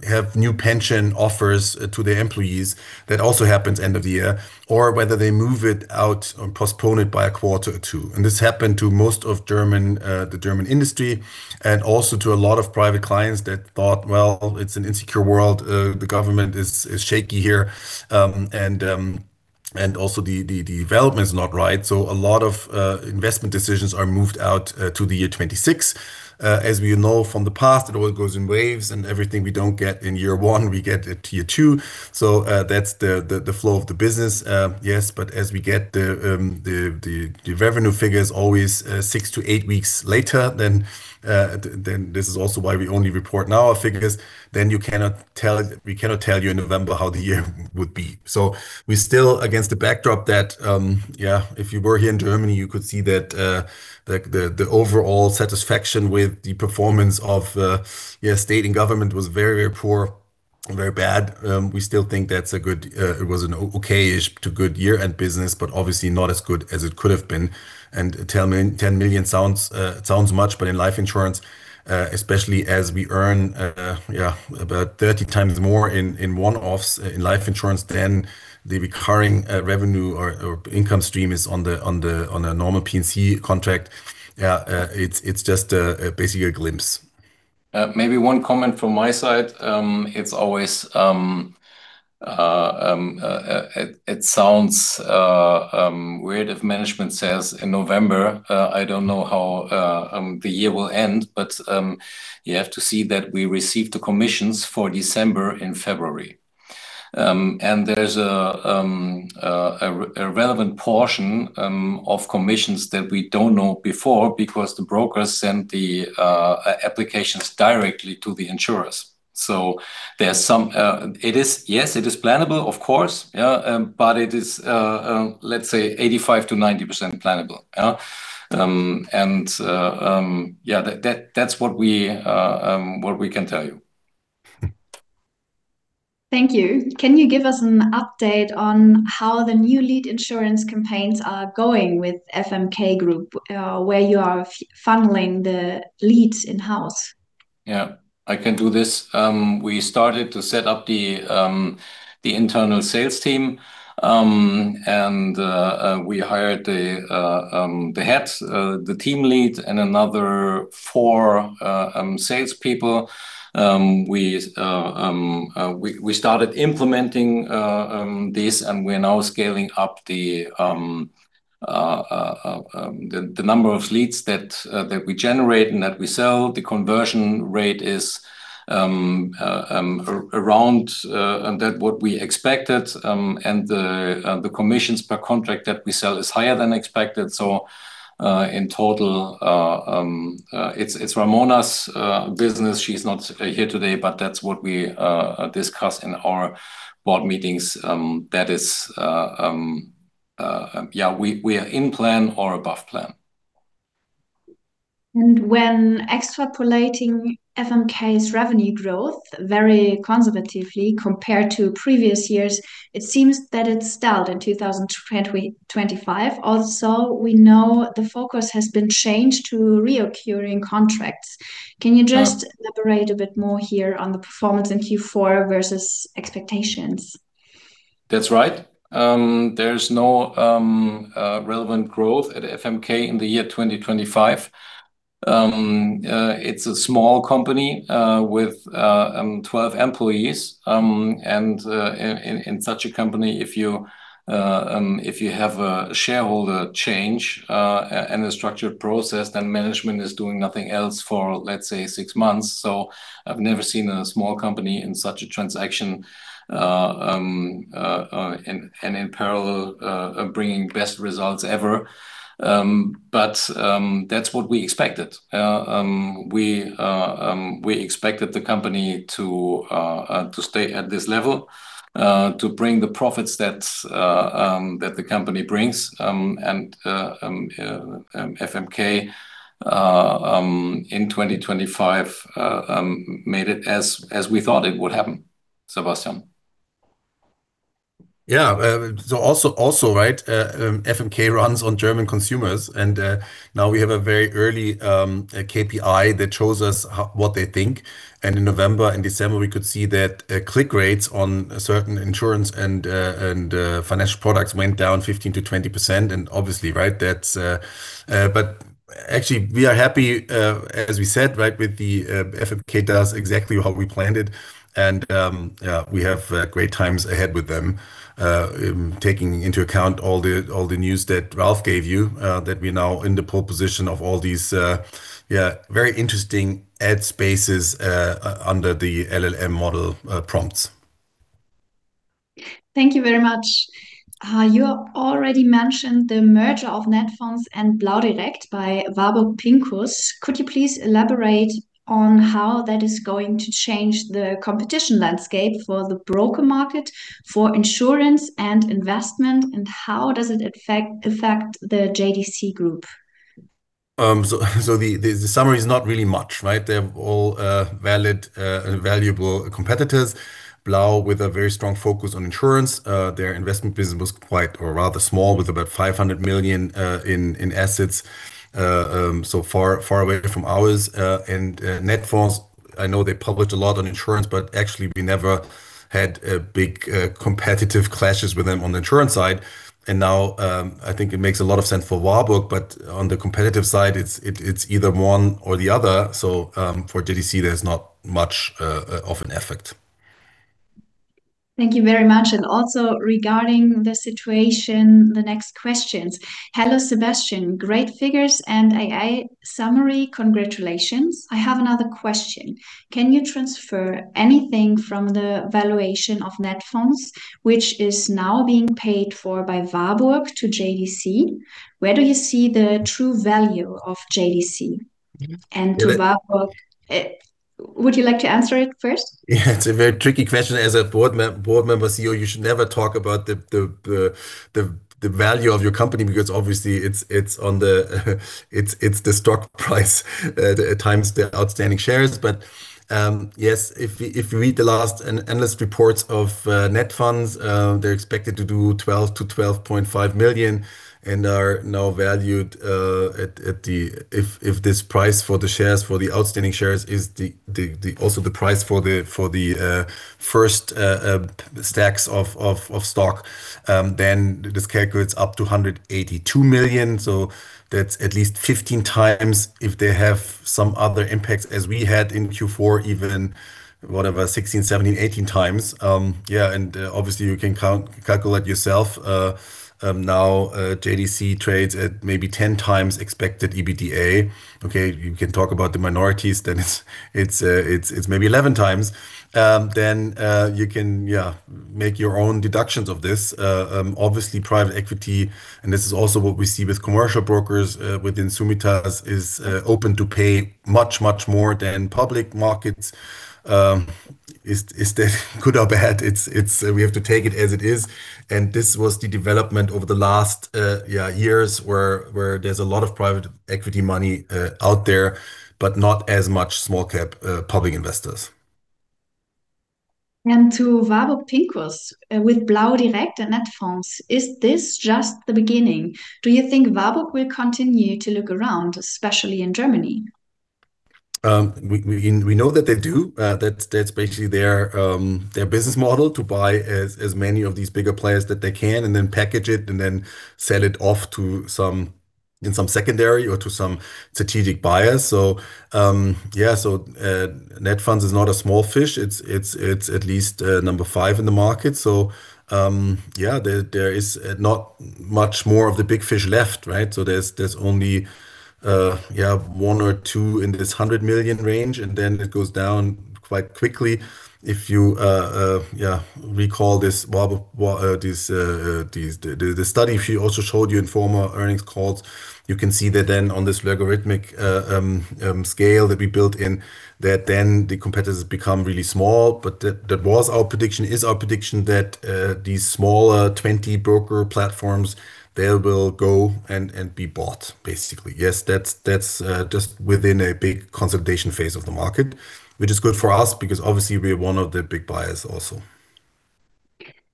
have new pension offers to their employees. That also happens end of the year. Or whether they move it out or postpone it by a quarter or two. This happened to most of the German industry and also to a lot of private clients that thought, "Well, it's an insecure world. The government is shaky here." And also the development is not right. A lot of investment decisions are moved out to the year 2026. As we know from the past, it all goes in waves, and everything we don't get in year one, we get it year two. That's the flow of the business. Yes, but as we get the revenue figures always six to eight weeks later, then this is also why we only report now our figures. We cannot tell you in November how the year would be. We still, against the backdrop that, if you were here in Germany, you could see that the overall satisfaction with the performance of state and government was very, very poor and very bad. We still think that's a good it was an okay-ish to good year-end business, but obviously not as good as it could have been. 10 million sounds much, but in life insurance, especially as we earn about 30x more in one-offs in life insurance than the recurring revenue or income stream is on a normal P&C contract. It's just basically a glimpse. Maybe one comment from my side. It's always weird if management says in November I don't know how the year will end, but you have to see that we received the commissions for December and February. There's a relevant portion of commissions that we don't know before because the brokers sent the applications directly to the insurers. It is plannable, of course. But it is, let's say 85%-90% plannable. That's what we can tell you. Thank you. Can you give us an update on how the new lead insurance campaigns are going with FMK Group, where you are funneling the leads in-house? Yeah, I can do this. We started to set up the internal sales team. We hired the heads, the team lead and another four salespeople. We started implementing this, and we're now scaling up the number of leads that we generate and that we sell. The conversion rate is around what we expected. The commissions per contract that we sell is higher than expected. In total, it's Ramona's business. She's not here today, but that's what we discussed in our board meetings. That is, yeah, we are in plan or above plan. When extrapolating FMK's revenue growth very conservatively compared to previous years, it seems that it stalled in 2025. Also, we know the focus has been changed to recurring contracts. Yeah. Can you just elaborate a bit more here on the performance in Q4 versus expectations? That's right. There's no relevant growth at FMK in the year 2025. It's a small company with 12 employees. In such a company, if you have a shareholder change and a structured process, then management is doing nothing else for, let's say, six months. I've never seen a small company in such a transaction and in parallel bringing best results ever. That's what we expected. We expected the company to stay at this level to bring the profits that the company brings. FMK in 2025 made it as we thought it would happen. Sebastian. Yeah. FMK runs on German consumers, and now we have a very early KPI that shows us what they think. In November and December, we could see that click rates on certain insurance and financial products went down 15%-20%. Obviously, right, that's. Actually, we are happy, as we said, right, with the FMK does exactly what we planned it. Yeah, we have great times ahead with them, taking into account all the news that Ralph gave you, that we're now in the pole position of all these very interesting ad spaces under the LLM model prompts. Thank you very much. You already mentioned the merger of Netfonds and blau direkt by Warburg Pincus. Could you please elaborate on how that is going to change the competition landscape for the broker market, for insurance and investment, and how does it affect the JDC Group? The summary is not really much, right? They're all valid, valuable competitors. blau direkt with a very strong focus on insurance. Their investment business was quite or rather small with about 500 million in assets, so far away from ours. Netfonds, I know they published a lot on insurance, but actually we never had big competitive clashes with them on the insurance side. I think it makes a lot of sense for Warburg, but on the competitive side, it's either one or the other. For JDC there's not much of an effect. Thank you very much regarding the situation, the next questions. Hello, Sebastian, great figures and AI summary. Congratulations. I have another question. Can you transfer anything from the valuation of Netfonds which is now being paid for by Warburg to JDC? Where do you see the true value of JDC? Mm-hmm. To Warburg, would you like to answer it first? Yeah. It's a very tricky question. As a board member CEO, you should never talk about the value of your company because obviously it's the stock price at times the outstanding shares. Yes, if you read the last analyst reports of Netfonds, they're expected to do 12-12.5 million and are now valued at the. If this price for the shares for the outstanding shares is the also the price for the first stacks of stock, then this calculates up to 182 million. So that's at least 15x if they have some other impacts as we had in Q4, even 16x, 17x, 18x. Yeah, obviously you can calculate yourself now. JDC trades at maybe 10x expected EBITDA. Okay. You can talk about the minorities then it's maybe 11x. Then you can yeah make your own deductions of this. Obviously private equity, and this is also what we see with commercial brokers within Summitas is open to pay much more than public markets. Is that good or bad? It's we have to take it as it is, and this was the development over the last years where there's a lot of private equity money out there, but not as much small cap public investors. To Warburg Pincus, with blau direkt and Netfonds, is this just the beginning? Do you think Warburg will continue to look around, especially in Germany? We know that they do. That's basically their business model to buy as many of these bigger players that they can and then package it and then sell it off to some in some secondary or to some strategic buyers. Yeah, Netfonds is not a small fish. It's at least number five in the market. Yeah, there is not much more of the big fish left, right? There's only one or two in this 100 million range, and then it goes down quite quickly. If you recall this study she also showed you in former earnings calls, you can see that then on this logarithmic scale that we built in, that then the competitors become really small. That was our prediction. It is our prediction that these small 20 broker platforms, they will go and be bought basically. Yes. That's just within a big consolidation phase of the market, which is good for us because obviously we're one of the big buyers also.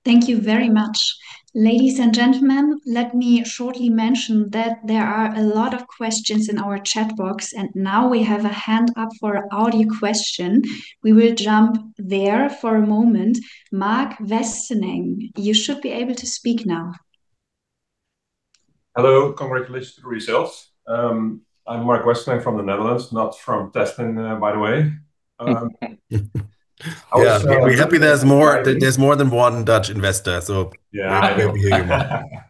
Thank you very much. Ladies and gentlemen, let me shortly mention that there are a lot of questions in our chat box, and now we have a hand up for audio question. We will jump there for a moment. Mark Westeneng, you should be able to speak now. Hello. Congratulations to the results. I'm Mark Westeneng from the Netherlands, not from Teslin, by the way. Yeah. We're happy there's more than one Dutch investor. Yeah. Glad to hear your voice.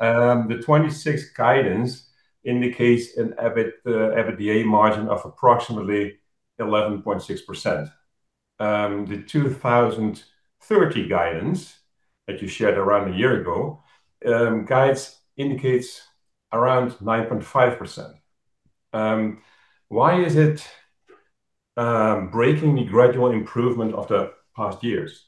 The 2026 guidance indicates an EBITDA margin of approximately 11.6%. The 2030 guidance that you shared around a year ago indicates around 9.5%. Why is it breaking the gradual improvement of the past years?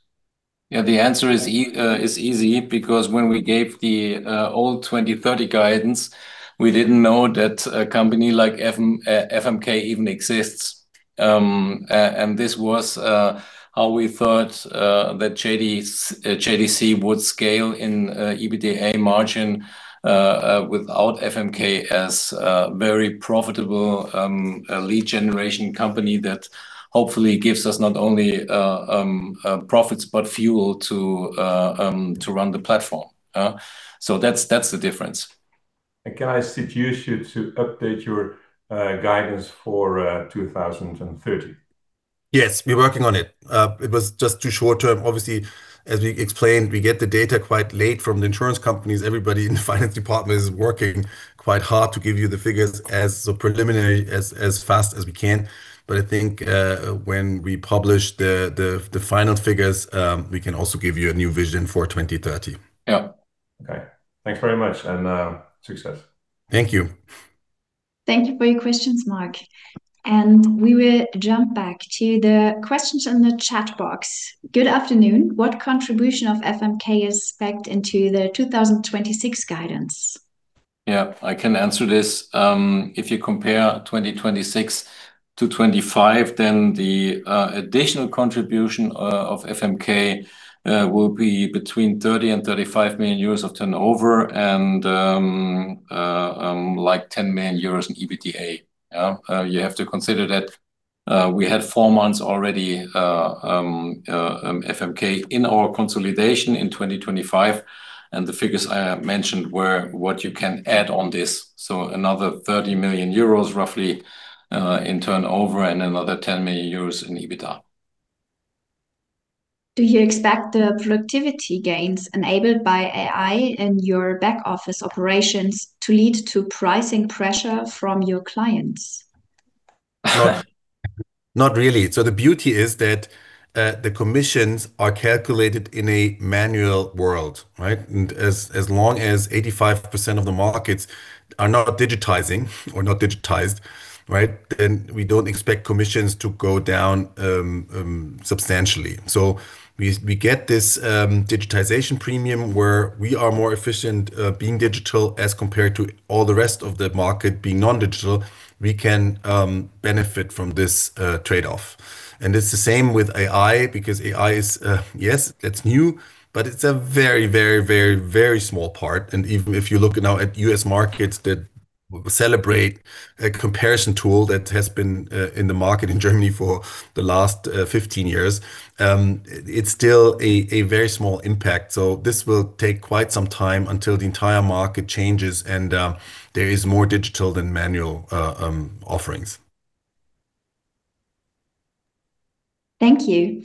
Yeah. The answer is easy because when we gave the old 2030 guidance, we didn't know that a company like FMK even exists. And this was how we thought that JDC would scale in EBITDA margin without FMK as very profitable lead generation company that hopefully gives us not only profits, but fuel to run the platform. So that's the difference. Can I induce you to update your guidance for 2030? Yes, we're working on it. It was just too short term. Obviously, as we explained, we get the data quite late from the insurance companies. Everybody in the finance department is working quite hard to give you the figures as preliminary, as fast as we can. I think, when we publish the final figures, we can also give you a new vision for 2030. Yeah. Okay. Thanks very much, and success. Thank you. Thank you for your questions, Mark. We will jump back to the questions in the chat box. Good afternoon. What contribution of FMK is spec'd into the 2026 guidance? Yeah, I can answer this. If you compare 2026 to 2025, then the additional contribution of FMK will be between 30-35 million euros of turnover and like 10 million euros in EBITDA. You have to consider that we had four months already FMK in our consolidation in 2025, and the figures I mentioned were what you can add on this. Another 30 million euros roughly in turnover, and another 10 million euros in EBITDA. Do you expect the productivity gains enabled by AI in your back office operations to lead to pricing pressure from your clients? Not really. The beauty is that the commissions are calculated in a manual world, right? As long as 85% of the markets are not digitizing or not digitized, right? We don't expect commissions to go down substantially. We get this digitization premium where we are more efficient being digital as compared to all the rest of the market being non-digital. We can benefit from this trade-off. It's the same with AI because AI is, yes, it's new, but it's a very small part. Even if you look now at U.S. markets that celebrate a comparison tool that has been in the market in Germany for the last 15 years, it's still a very small impact. This will take quite some time until the entire market changes and there is more digital than manual offerings. Thank you.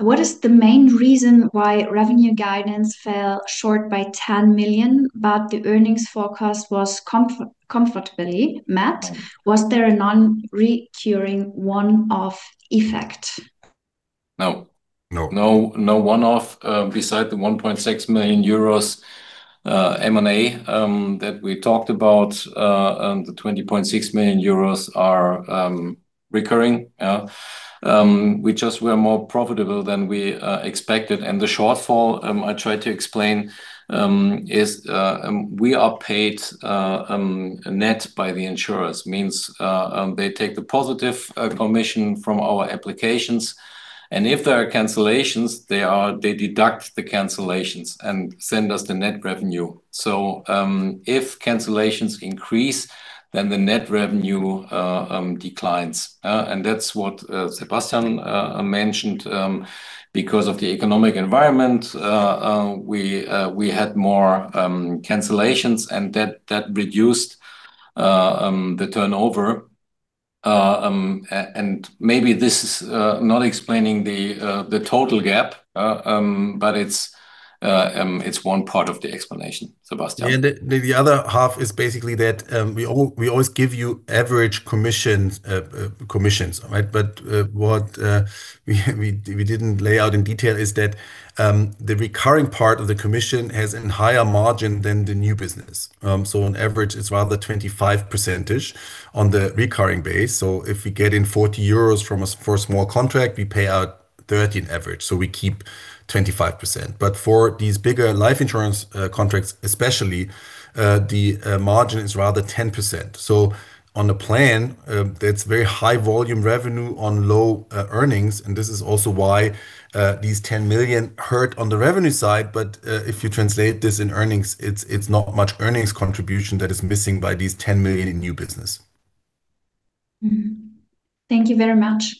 What is the main reason why revenue guidance fell short by 10 million, but the earnings forecast was comfortably met? Was there a non-recurring one-off effect? No. No. No. No one-off besides the 2.6 million euros M&A that we talked about. The 20.6 million euros are recurring. We just were more profitable than we expected. The shortfall I tried to explain is we are paid net by the insurers, means they take the positive commission from our applications, and if there are cancellations, they deduct the cancellations and send us the net revenue. If cancellations increase, then the net revenue declines. That's what Sebastian mentioned. Because of the economic environment, we had more cancellations and that reduced the turnover. Maybe this is not explaining the total gap, but it's one part of the explanation. Sebastian. The other half is basically that we always give you average commissions, right? What we didn't lay out in detail is that the recurring part of the commission has a higher margin than the new business. On average it's rather 25% on the recurring base. If we get in 40 euros from a small contract, we pay out 30 on average, so we keep 25%. For these bigger life insurance contracts especially, the margin is rather 10%. On the plan, that's very high volume revenue on low earnings, and this is also why these 10 million hurt on the revenue side. If you translate this into earnings, it's not much earnings contribution that is missing by these 10 million in new business. Thank you very much.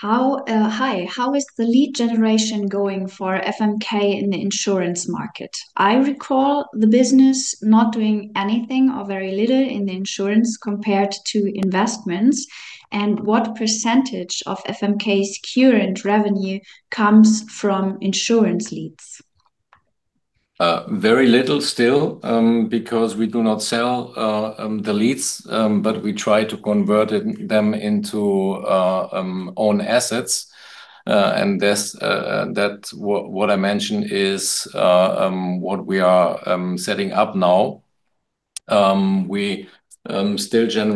Hi. How is the lead generation going for FMK in the insurance market? I recall the business not doing anything or very little in the insurance compared to investments. What percentage of FMK's current revenue comes from insurance leads? Very little still, because we do not sell the leads. We try to convert them into own assets. That, what I mentioned is what we are setting up now. We are setting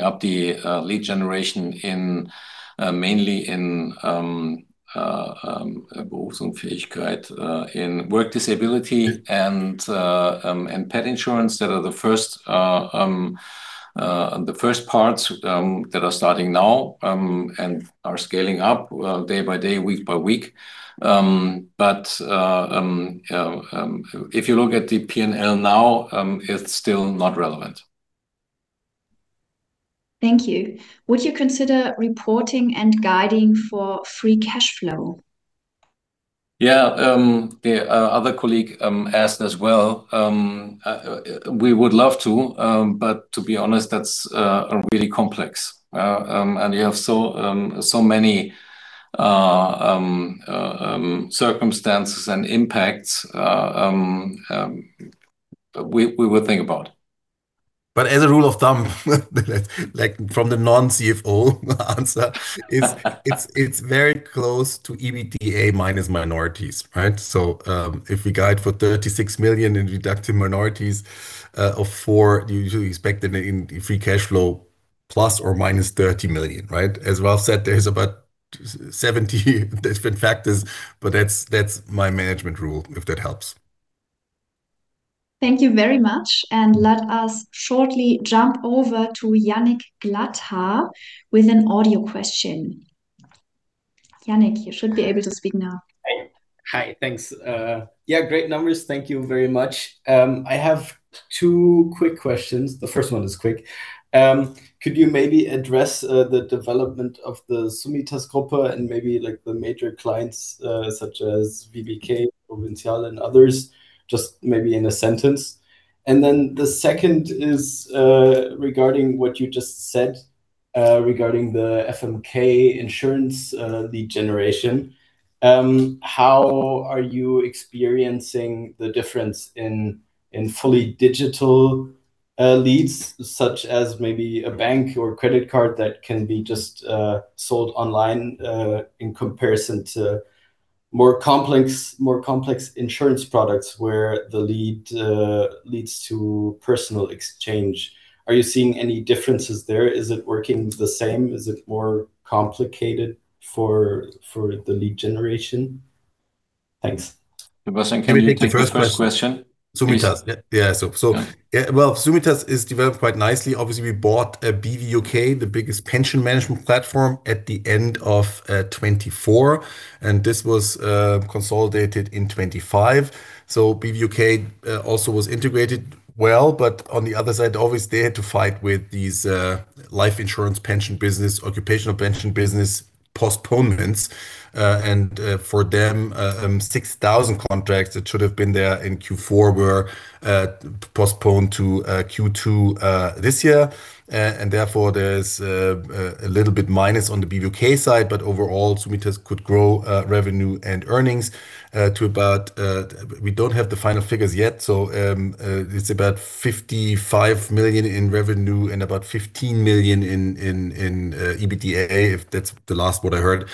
up the lead generation mainly in work disability and pet insurance that are the first parts that are starting now and are scaling up day by day, week by week. If you look at the P&L now, it's still not relevant. Thank you. Would you consider reporting and guiding for free cash flow? Yeah. The other colleague asked as well. We would love to, but to be honest, that's really complex. You have so many circumstances and impacts. We will think about. As a rule of thumb, like from the non-CFO answer, it's very close to EBITDA minus minorities, right? If we guide for 36 million EBITDA minus minorities of 4 million, you usually expect the net free cash flow plus or minus 13 million, right? As Ralph said, there is about 70 different factors, but that's my management rule, if that helps. Thank you very much. Let us shortly jump over to Yannick Glatthaar with an audio question. Yannick, you should be able to speak now. Hi. Hi. Thanks. Yeah, great numbers. Thank you very much. I have two quick questions. The first one is quick. Could you maybe address the development of the Summitas Gruppe and maybe, like, the major clients such as VKB, Provincial and others, just maybe in a sentence? Then the second is regarding what you just said regarding the FMK insurance lead generation. How are you experiencing the difference in fully digital leads, such as maybe a bank or credit card that can be just sold online in comparison to more complex insurance products where the lead leads to personal exchange? Are you seeing any differences there? Is it working the same? Is it more complicated for the lead generation? Thanks. Sebastian, can you take the first question? Let me take the first question. Summitas. Yeah. So, Yeah... yeah, well, Summitas is developed quite nicely. Obviously, we bought BVUK, the biggest pension management platform, at the end of 2024, and this was consolidated in 2025. BVUK also was integrated well. On the other side, obviously, they had to fight with these life insurance pension business, occupational pension business postponements. For them, 6,000 contracts that should have been there in Q4 were postponed to Q2 this year. Therefore, there's a little bit minus on the BVUK side. Overall, Summitas could grow revenue and earnings to about. We don't have the final figures yet, so it's about 55 million in revenue and about 15 million in EBITDA, if that's the last what I heard.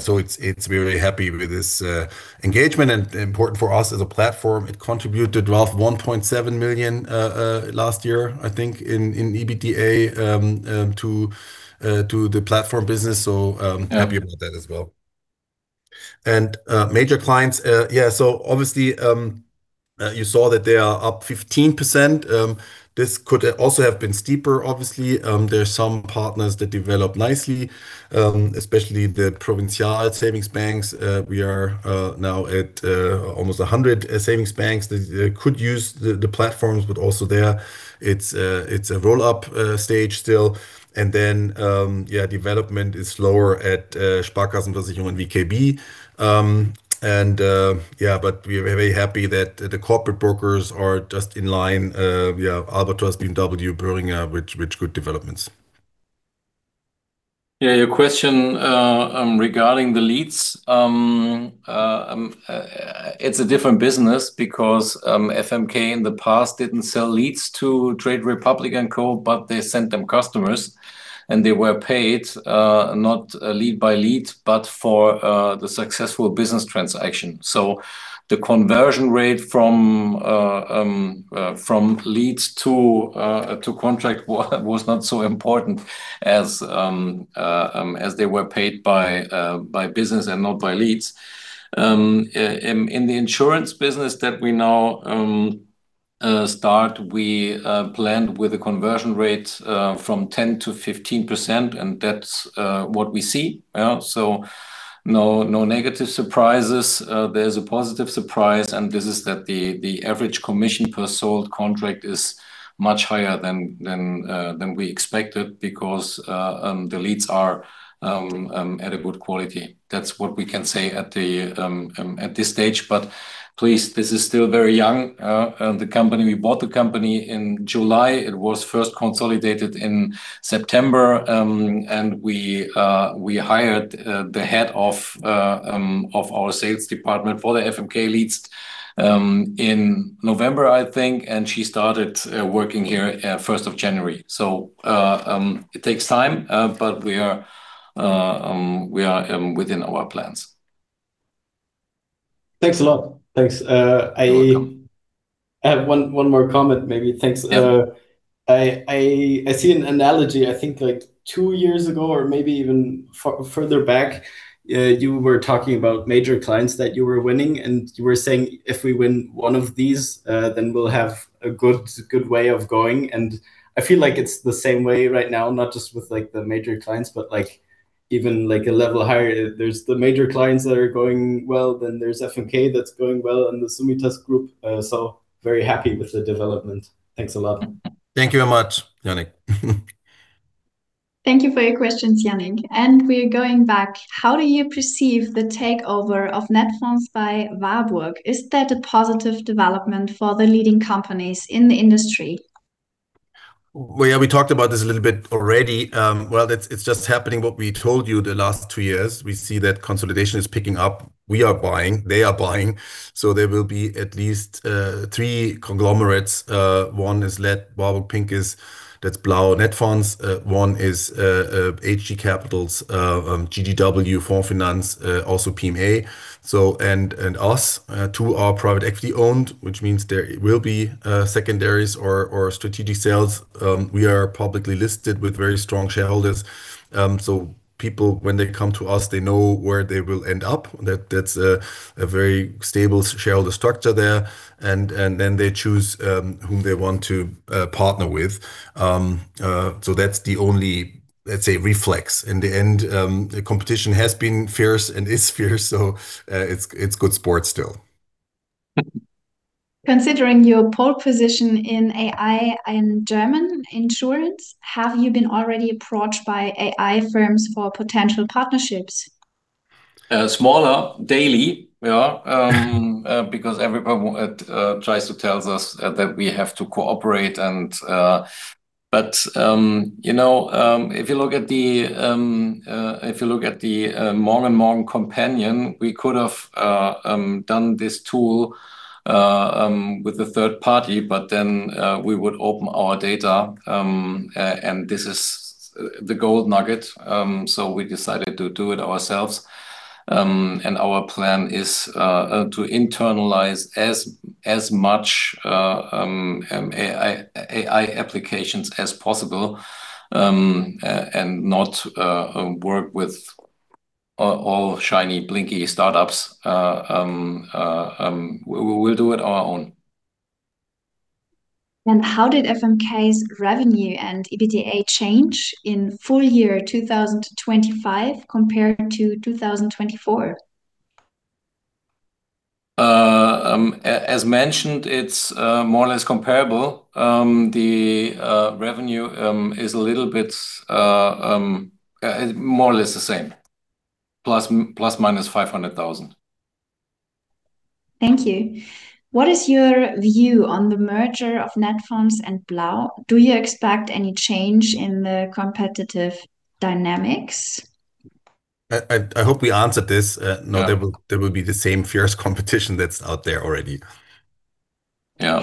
So it's. We're really happy with this engagement, and important for us as a platform. It contributed around 1.7 million last year, I think, in EBITDA to the platform business. Yeah... happy about that as well. Major clients. So obviously, you saw that they are up 15%. This could also have been steeper, obviously. There's some partners that developed nicely, especially the Provincial savings banks. We are now at almost 100 savings banks that could use the platforms, but also there, it's a roll-up stage still. Development is slower at Sparkassenversicherung and VKB. But we're very happy that the corporate brokers are just in line. We have Alogotrans, BMW, Boehringer Ingelheim with good developments. Yeah. Your question regarding the leads. It's a different business because FMK in the past didn't sell leads to Trade Republic and Co., but they sent them customers, and they were paid not lead by lead, but for the successful business transaction. The conversion rate from leads to contract was not so important as they were paid by business and not by leads. In the insurance business that we now start, we planned with a conversion rate from 10% to 15%, and that's what we see. No negative surprises. There's a positive surprise, and this is that the average commission per sold contract is much higher than we expected because the leads are at a good quality. That's what we can say at this stage. Please, this is still very young. The company we bought in July. It was first consolidated in September. We hired the head of our sales department for the FMK leads in November, I think, and she started working here first of January. It takes time, but we are within our plans. Thanks a lot. Thanks. You're welcome. I have one more comment maybe. Thanks. Yeah. I see an analogy, I think, like two years ago, or maybe even further back, you were talking about major clients that you were winning, and you were saying, "If we win one of these, then we'll have a good way of going." I feel like it's the same way right now, not just with, like, the major clients, but, like, even, like, a level higher. There's the major clients that are going well, then there's FMK that's going well, and the Summitas Group. So very happy with the development. Thanks a lot. Thank you very much, Yannick. Thank you for your questions, Yannick. We're going back. How do you perceive the takeover of Netfonds by Warburg? Is that a positive development for the leading companies in the industry? Well, yeah, we talked about this a little bit already. It's just happening what we told you the last two years. We see that consolidation is picking up. We are buying. They are buying. There will be at least three conglomerates. One is led by Warburg Pincus. That's blau Netfonds. One is Hg Capital's GGW, Fonds Finanz, also PMA and us. Two are private equity owned, which means there will be secondaries or strategic sales. We are publicly listed with very strong shareholders. People, when they come to us, they know where they will end up. That's a very stable shareholder structure there. Then they choose whom they want to partner with. That's the only, let's say, reflex. In the end, the competition has been fierce and is fierce, so it's good sport still. Considering your pole position in AI and German insurance, have you been already approached by AI firms for potential partnerships? Smaller deals, yeah, because everyone tries to tell us that we have to cooperate. You know, if you look at the Morgen & Morgen Companion, we could have done this tool with a third party, but then we would open our data, and this is the gold nugget, so we decided to do it ourselves. Our plan is to internalize as much AI applications as possible and not work with all shiny blinky startups. We'll do it on our own. How did FMK's revenue and EBITDA change in full year 2025 compared to 2024? As mentioned, it's more or less comparable. The revenue is a little bit more or less the same, ±500,000. Thank you. What is your view on the merger of Netfonds and blau direkt? Do you expect any change in the competitive dynamics? I hope we answered this. Yeah There will be the same fierce competition that's out there already. Yeah.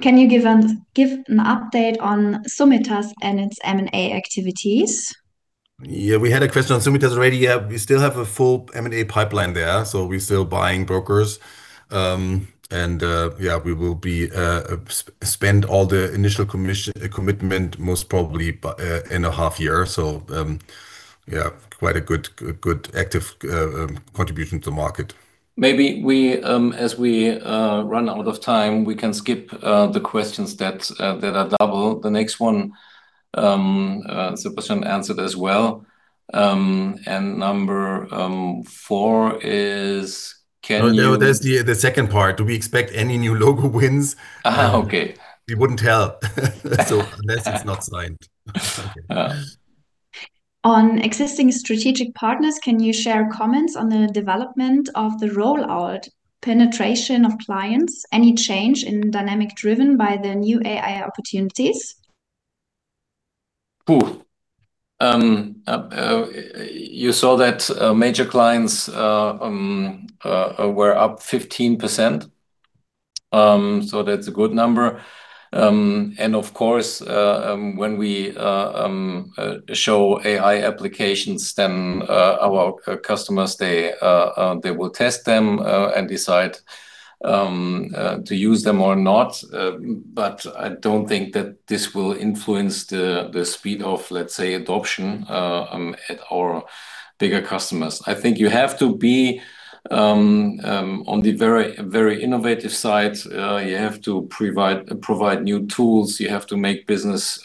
Can you give an update on Summitas and its M&A activities? Yeah, we had a question on Summitas already. Yeah. We still have a full M&A pipeline there, so we're still buying brokers. We will spend all the initial commitment most probably by in a half year. Quite a good active contribution to market. Maybe we, as we run out of time, we can skip the questions that are double. The next one, Sebastian answered as well. Number four is can you- No, no, there's the second part. Do we expect any new logo wins? Okay. We wouldn't tell. Unless it's not signed. Okay. On existing strategic partners, can you share comments on the development of the rollout penetration of clients? Any change in dynamic driven by the new AI opportunities? You saw that major clients were up 15%. So that's a good number. Of course, when we show AI applications then, our customers they will test them and decide to use them or not. But I don't think that this will influence the speed of, let's say, adoption at our bigger customers. I think you have to be on the very, very innovative side. You have to provide new tools. You have to make business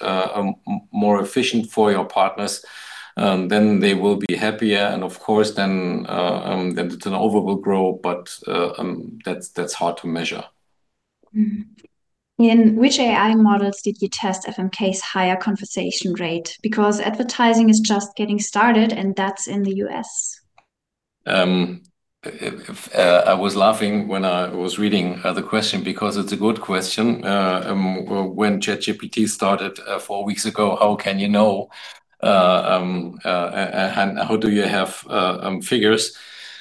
more efficient for your partners, then they will be happier and of course then the turnover will grow, but that's hard to measure. In which AI models did you test FMK's higher conversion rate? Because advertising is just getting started, and that's in the U.S. I was laughing when I was reading the question because it's a good question. When ChatGPT started four weeks ago, how can you know and how do you have figures?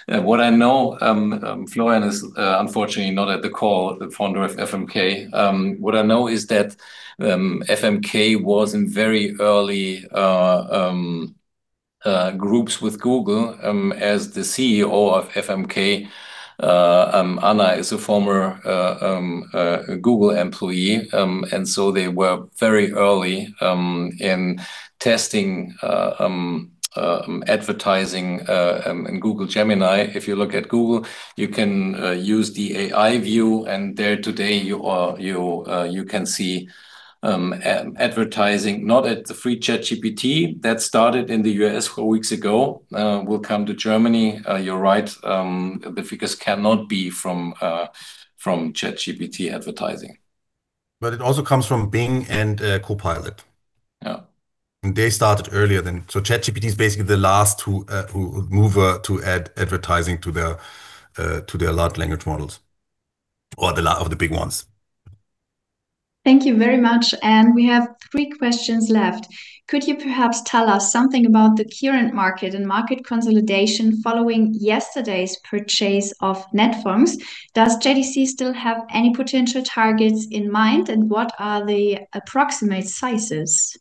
What I know is that Florian is unfortunately not at the call, the founder of FMK. What I know is that FMK was in very early groups with Google, as the CEO of FMK. Anna is a former Google employee. They were very early in testing advertising in Google Gemini. If you look at Google, you can use the AI view, and there today you can see advertising not at the free ChatGPT. That started in the U.S. four weeks ago, will come to Germany. You're right, the figures cannot be from ChatGPT advertising. It also comes from Bing and Copilot. Yeah. They started earlier than ChatGPT is basically the last to move to add advertising to the large language models, or the LLMs of the big ones. Thank you very much. We have three questions left. Could you perhaps tell us something about the current market and market consolidation following yesterday's purchase of Netfonds? Does JDC still have any potential targets in mind, and what are the approximate sizes?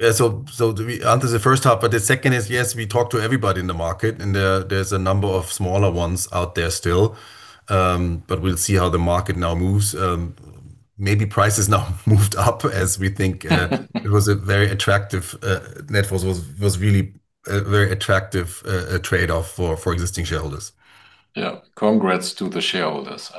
Answer the first half, but the second is, yes, we talk to everybody in the market, and there's a number of smaller ones out there still. We'll see how the market now moves. Maybe prices now moved up as we think. Netfonds was really a very attractive trade-off for existing shareholders. Yeah. Congrats to the shareholders.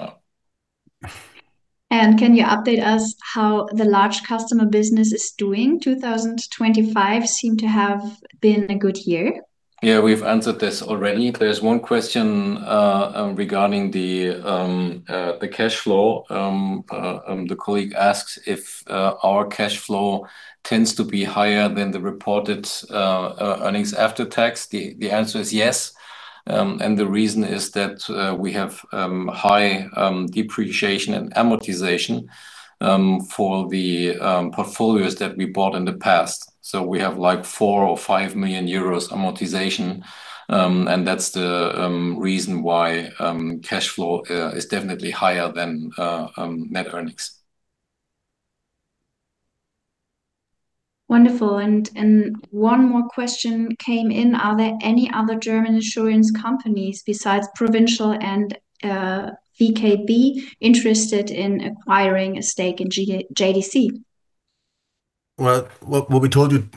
Can you update us how the large customer business is doing? 2025 seem to have been a good year. Yeah, we've answered this already. There's one question regarding the cash flow. The colleague asks if our cash flow tends to be higher than the reported earnings after tax. The answer is yes. The reason is that we have high depreciation and amortization for the portfolios that we bought in the past. We have, like, 4-5 million euros amortization, and that's the reason why cash flow is definitely higher than net earnings. Wonderful. One more question came in: Are there any other German insurance companies besides Provincial and VKB interested in acquiring a stake in JDC? Well, what we told you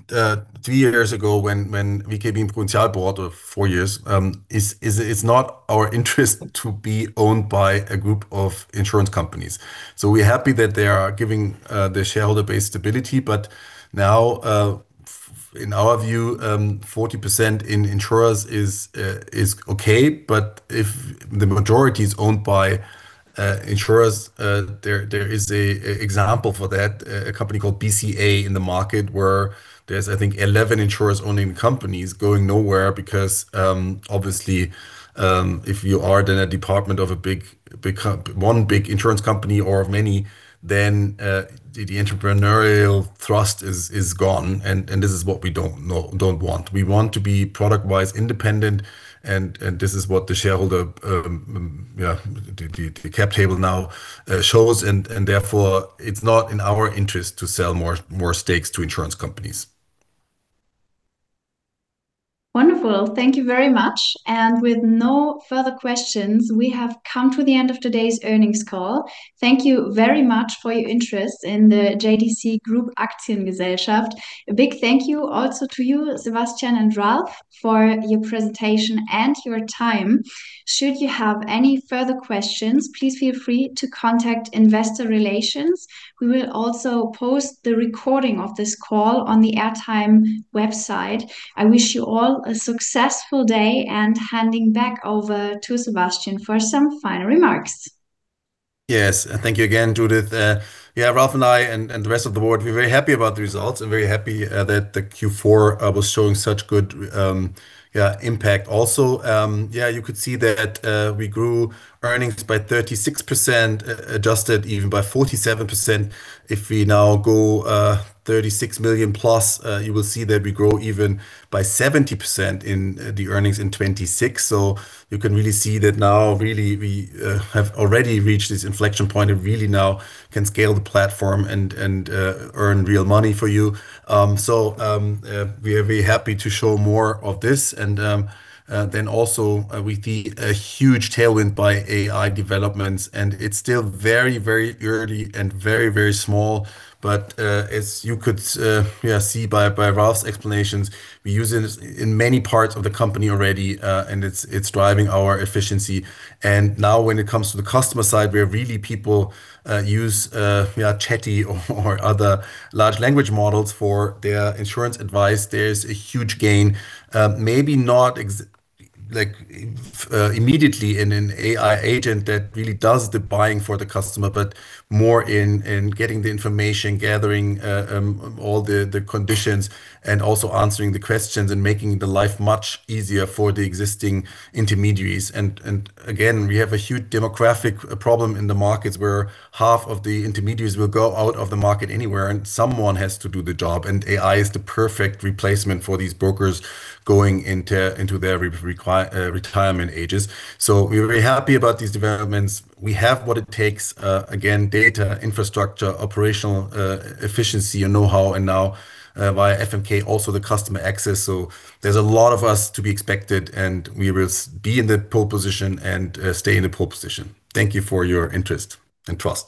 three years ago when VKB and Provincial bought, or four years, is it's not our interest to be owned by a group of insurance companies. We're happy that they are giving the shareholder base stability. Now, in our view, 40% in insurers is okay, but if the majority is owned by insurers, there is an example for that, a company called BCA in the market where there's, I think, 11 insurers owning companies going nowhere because, obviously, if you are in a department of one big insurance company or of many, then the entrepreneurial thrust is gone, and this is what we don't want. We want to be product-wise independent, and this is what the shareholder, the cap table, now shows, and therefore it's not in our interest to sell more stakes to insurance companies. Wonderful. Thank you very much. With no further questions, we have come to the end of today's earnings call. Thank you very much for your interest in the JDC Group AG. A big thank you also to you, Sebastian and Ralph, for your presentation and your time. Should you have any further questions, please feel free to contact Investor Relations. We will also post the recording of this call on the AirTime website. I wish you all a successful day, and handing back over to Sebastian for some final remarks. Yes. Thank you again, Judith. Ralph and I and the rest of the board, we're very happy about the results and very happy that the Q4 was showing such good impact also. You could see that we grew earnings by 36%, adjusted even by 47%. If we now go 36 million plus, you will see that we grow even by 70% in the earnings in 2026. You can really see that now really we have already reached this inflection point and really now can scale the platform and earn real money for you. We are very happy to show more of this and then also we see a huge tailwind by AI developments, and it's still very early and very small but as you could see by Ralph's explanations, we use it in many parts of the company already and it's driving our efficiency. Now when it comes to the customer side, where really people use ChatGPT or other large language models for their insurance advice, there's a huge gain. Maybe not exactly, like, immediately in an AI agent that really does the buying for the customer, but more in getting the information, gathering all the conditions and also answering the questions and making the life much easier for the existing intermediaries. Again, we have a huge demographic problem in the markets where half of the intermediaries will go out of the market anywhere, and someone has to do the job, and AI is the perfect replacement for these brokers going into their retirement ages. We're very happy about these developments. We have what it takes, again, data, infrastructure, operational efficiency and know-how, and now, via FMK, also the customer access. There's a lot from us to be expected, and we will be in the pole position and stay in the pole position. Thank you for your interest and trust.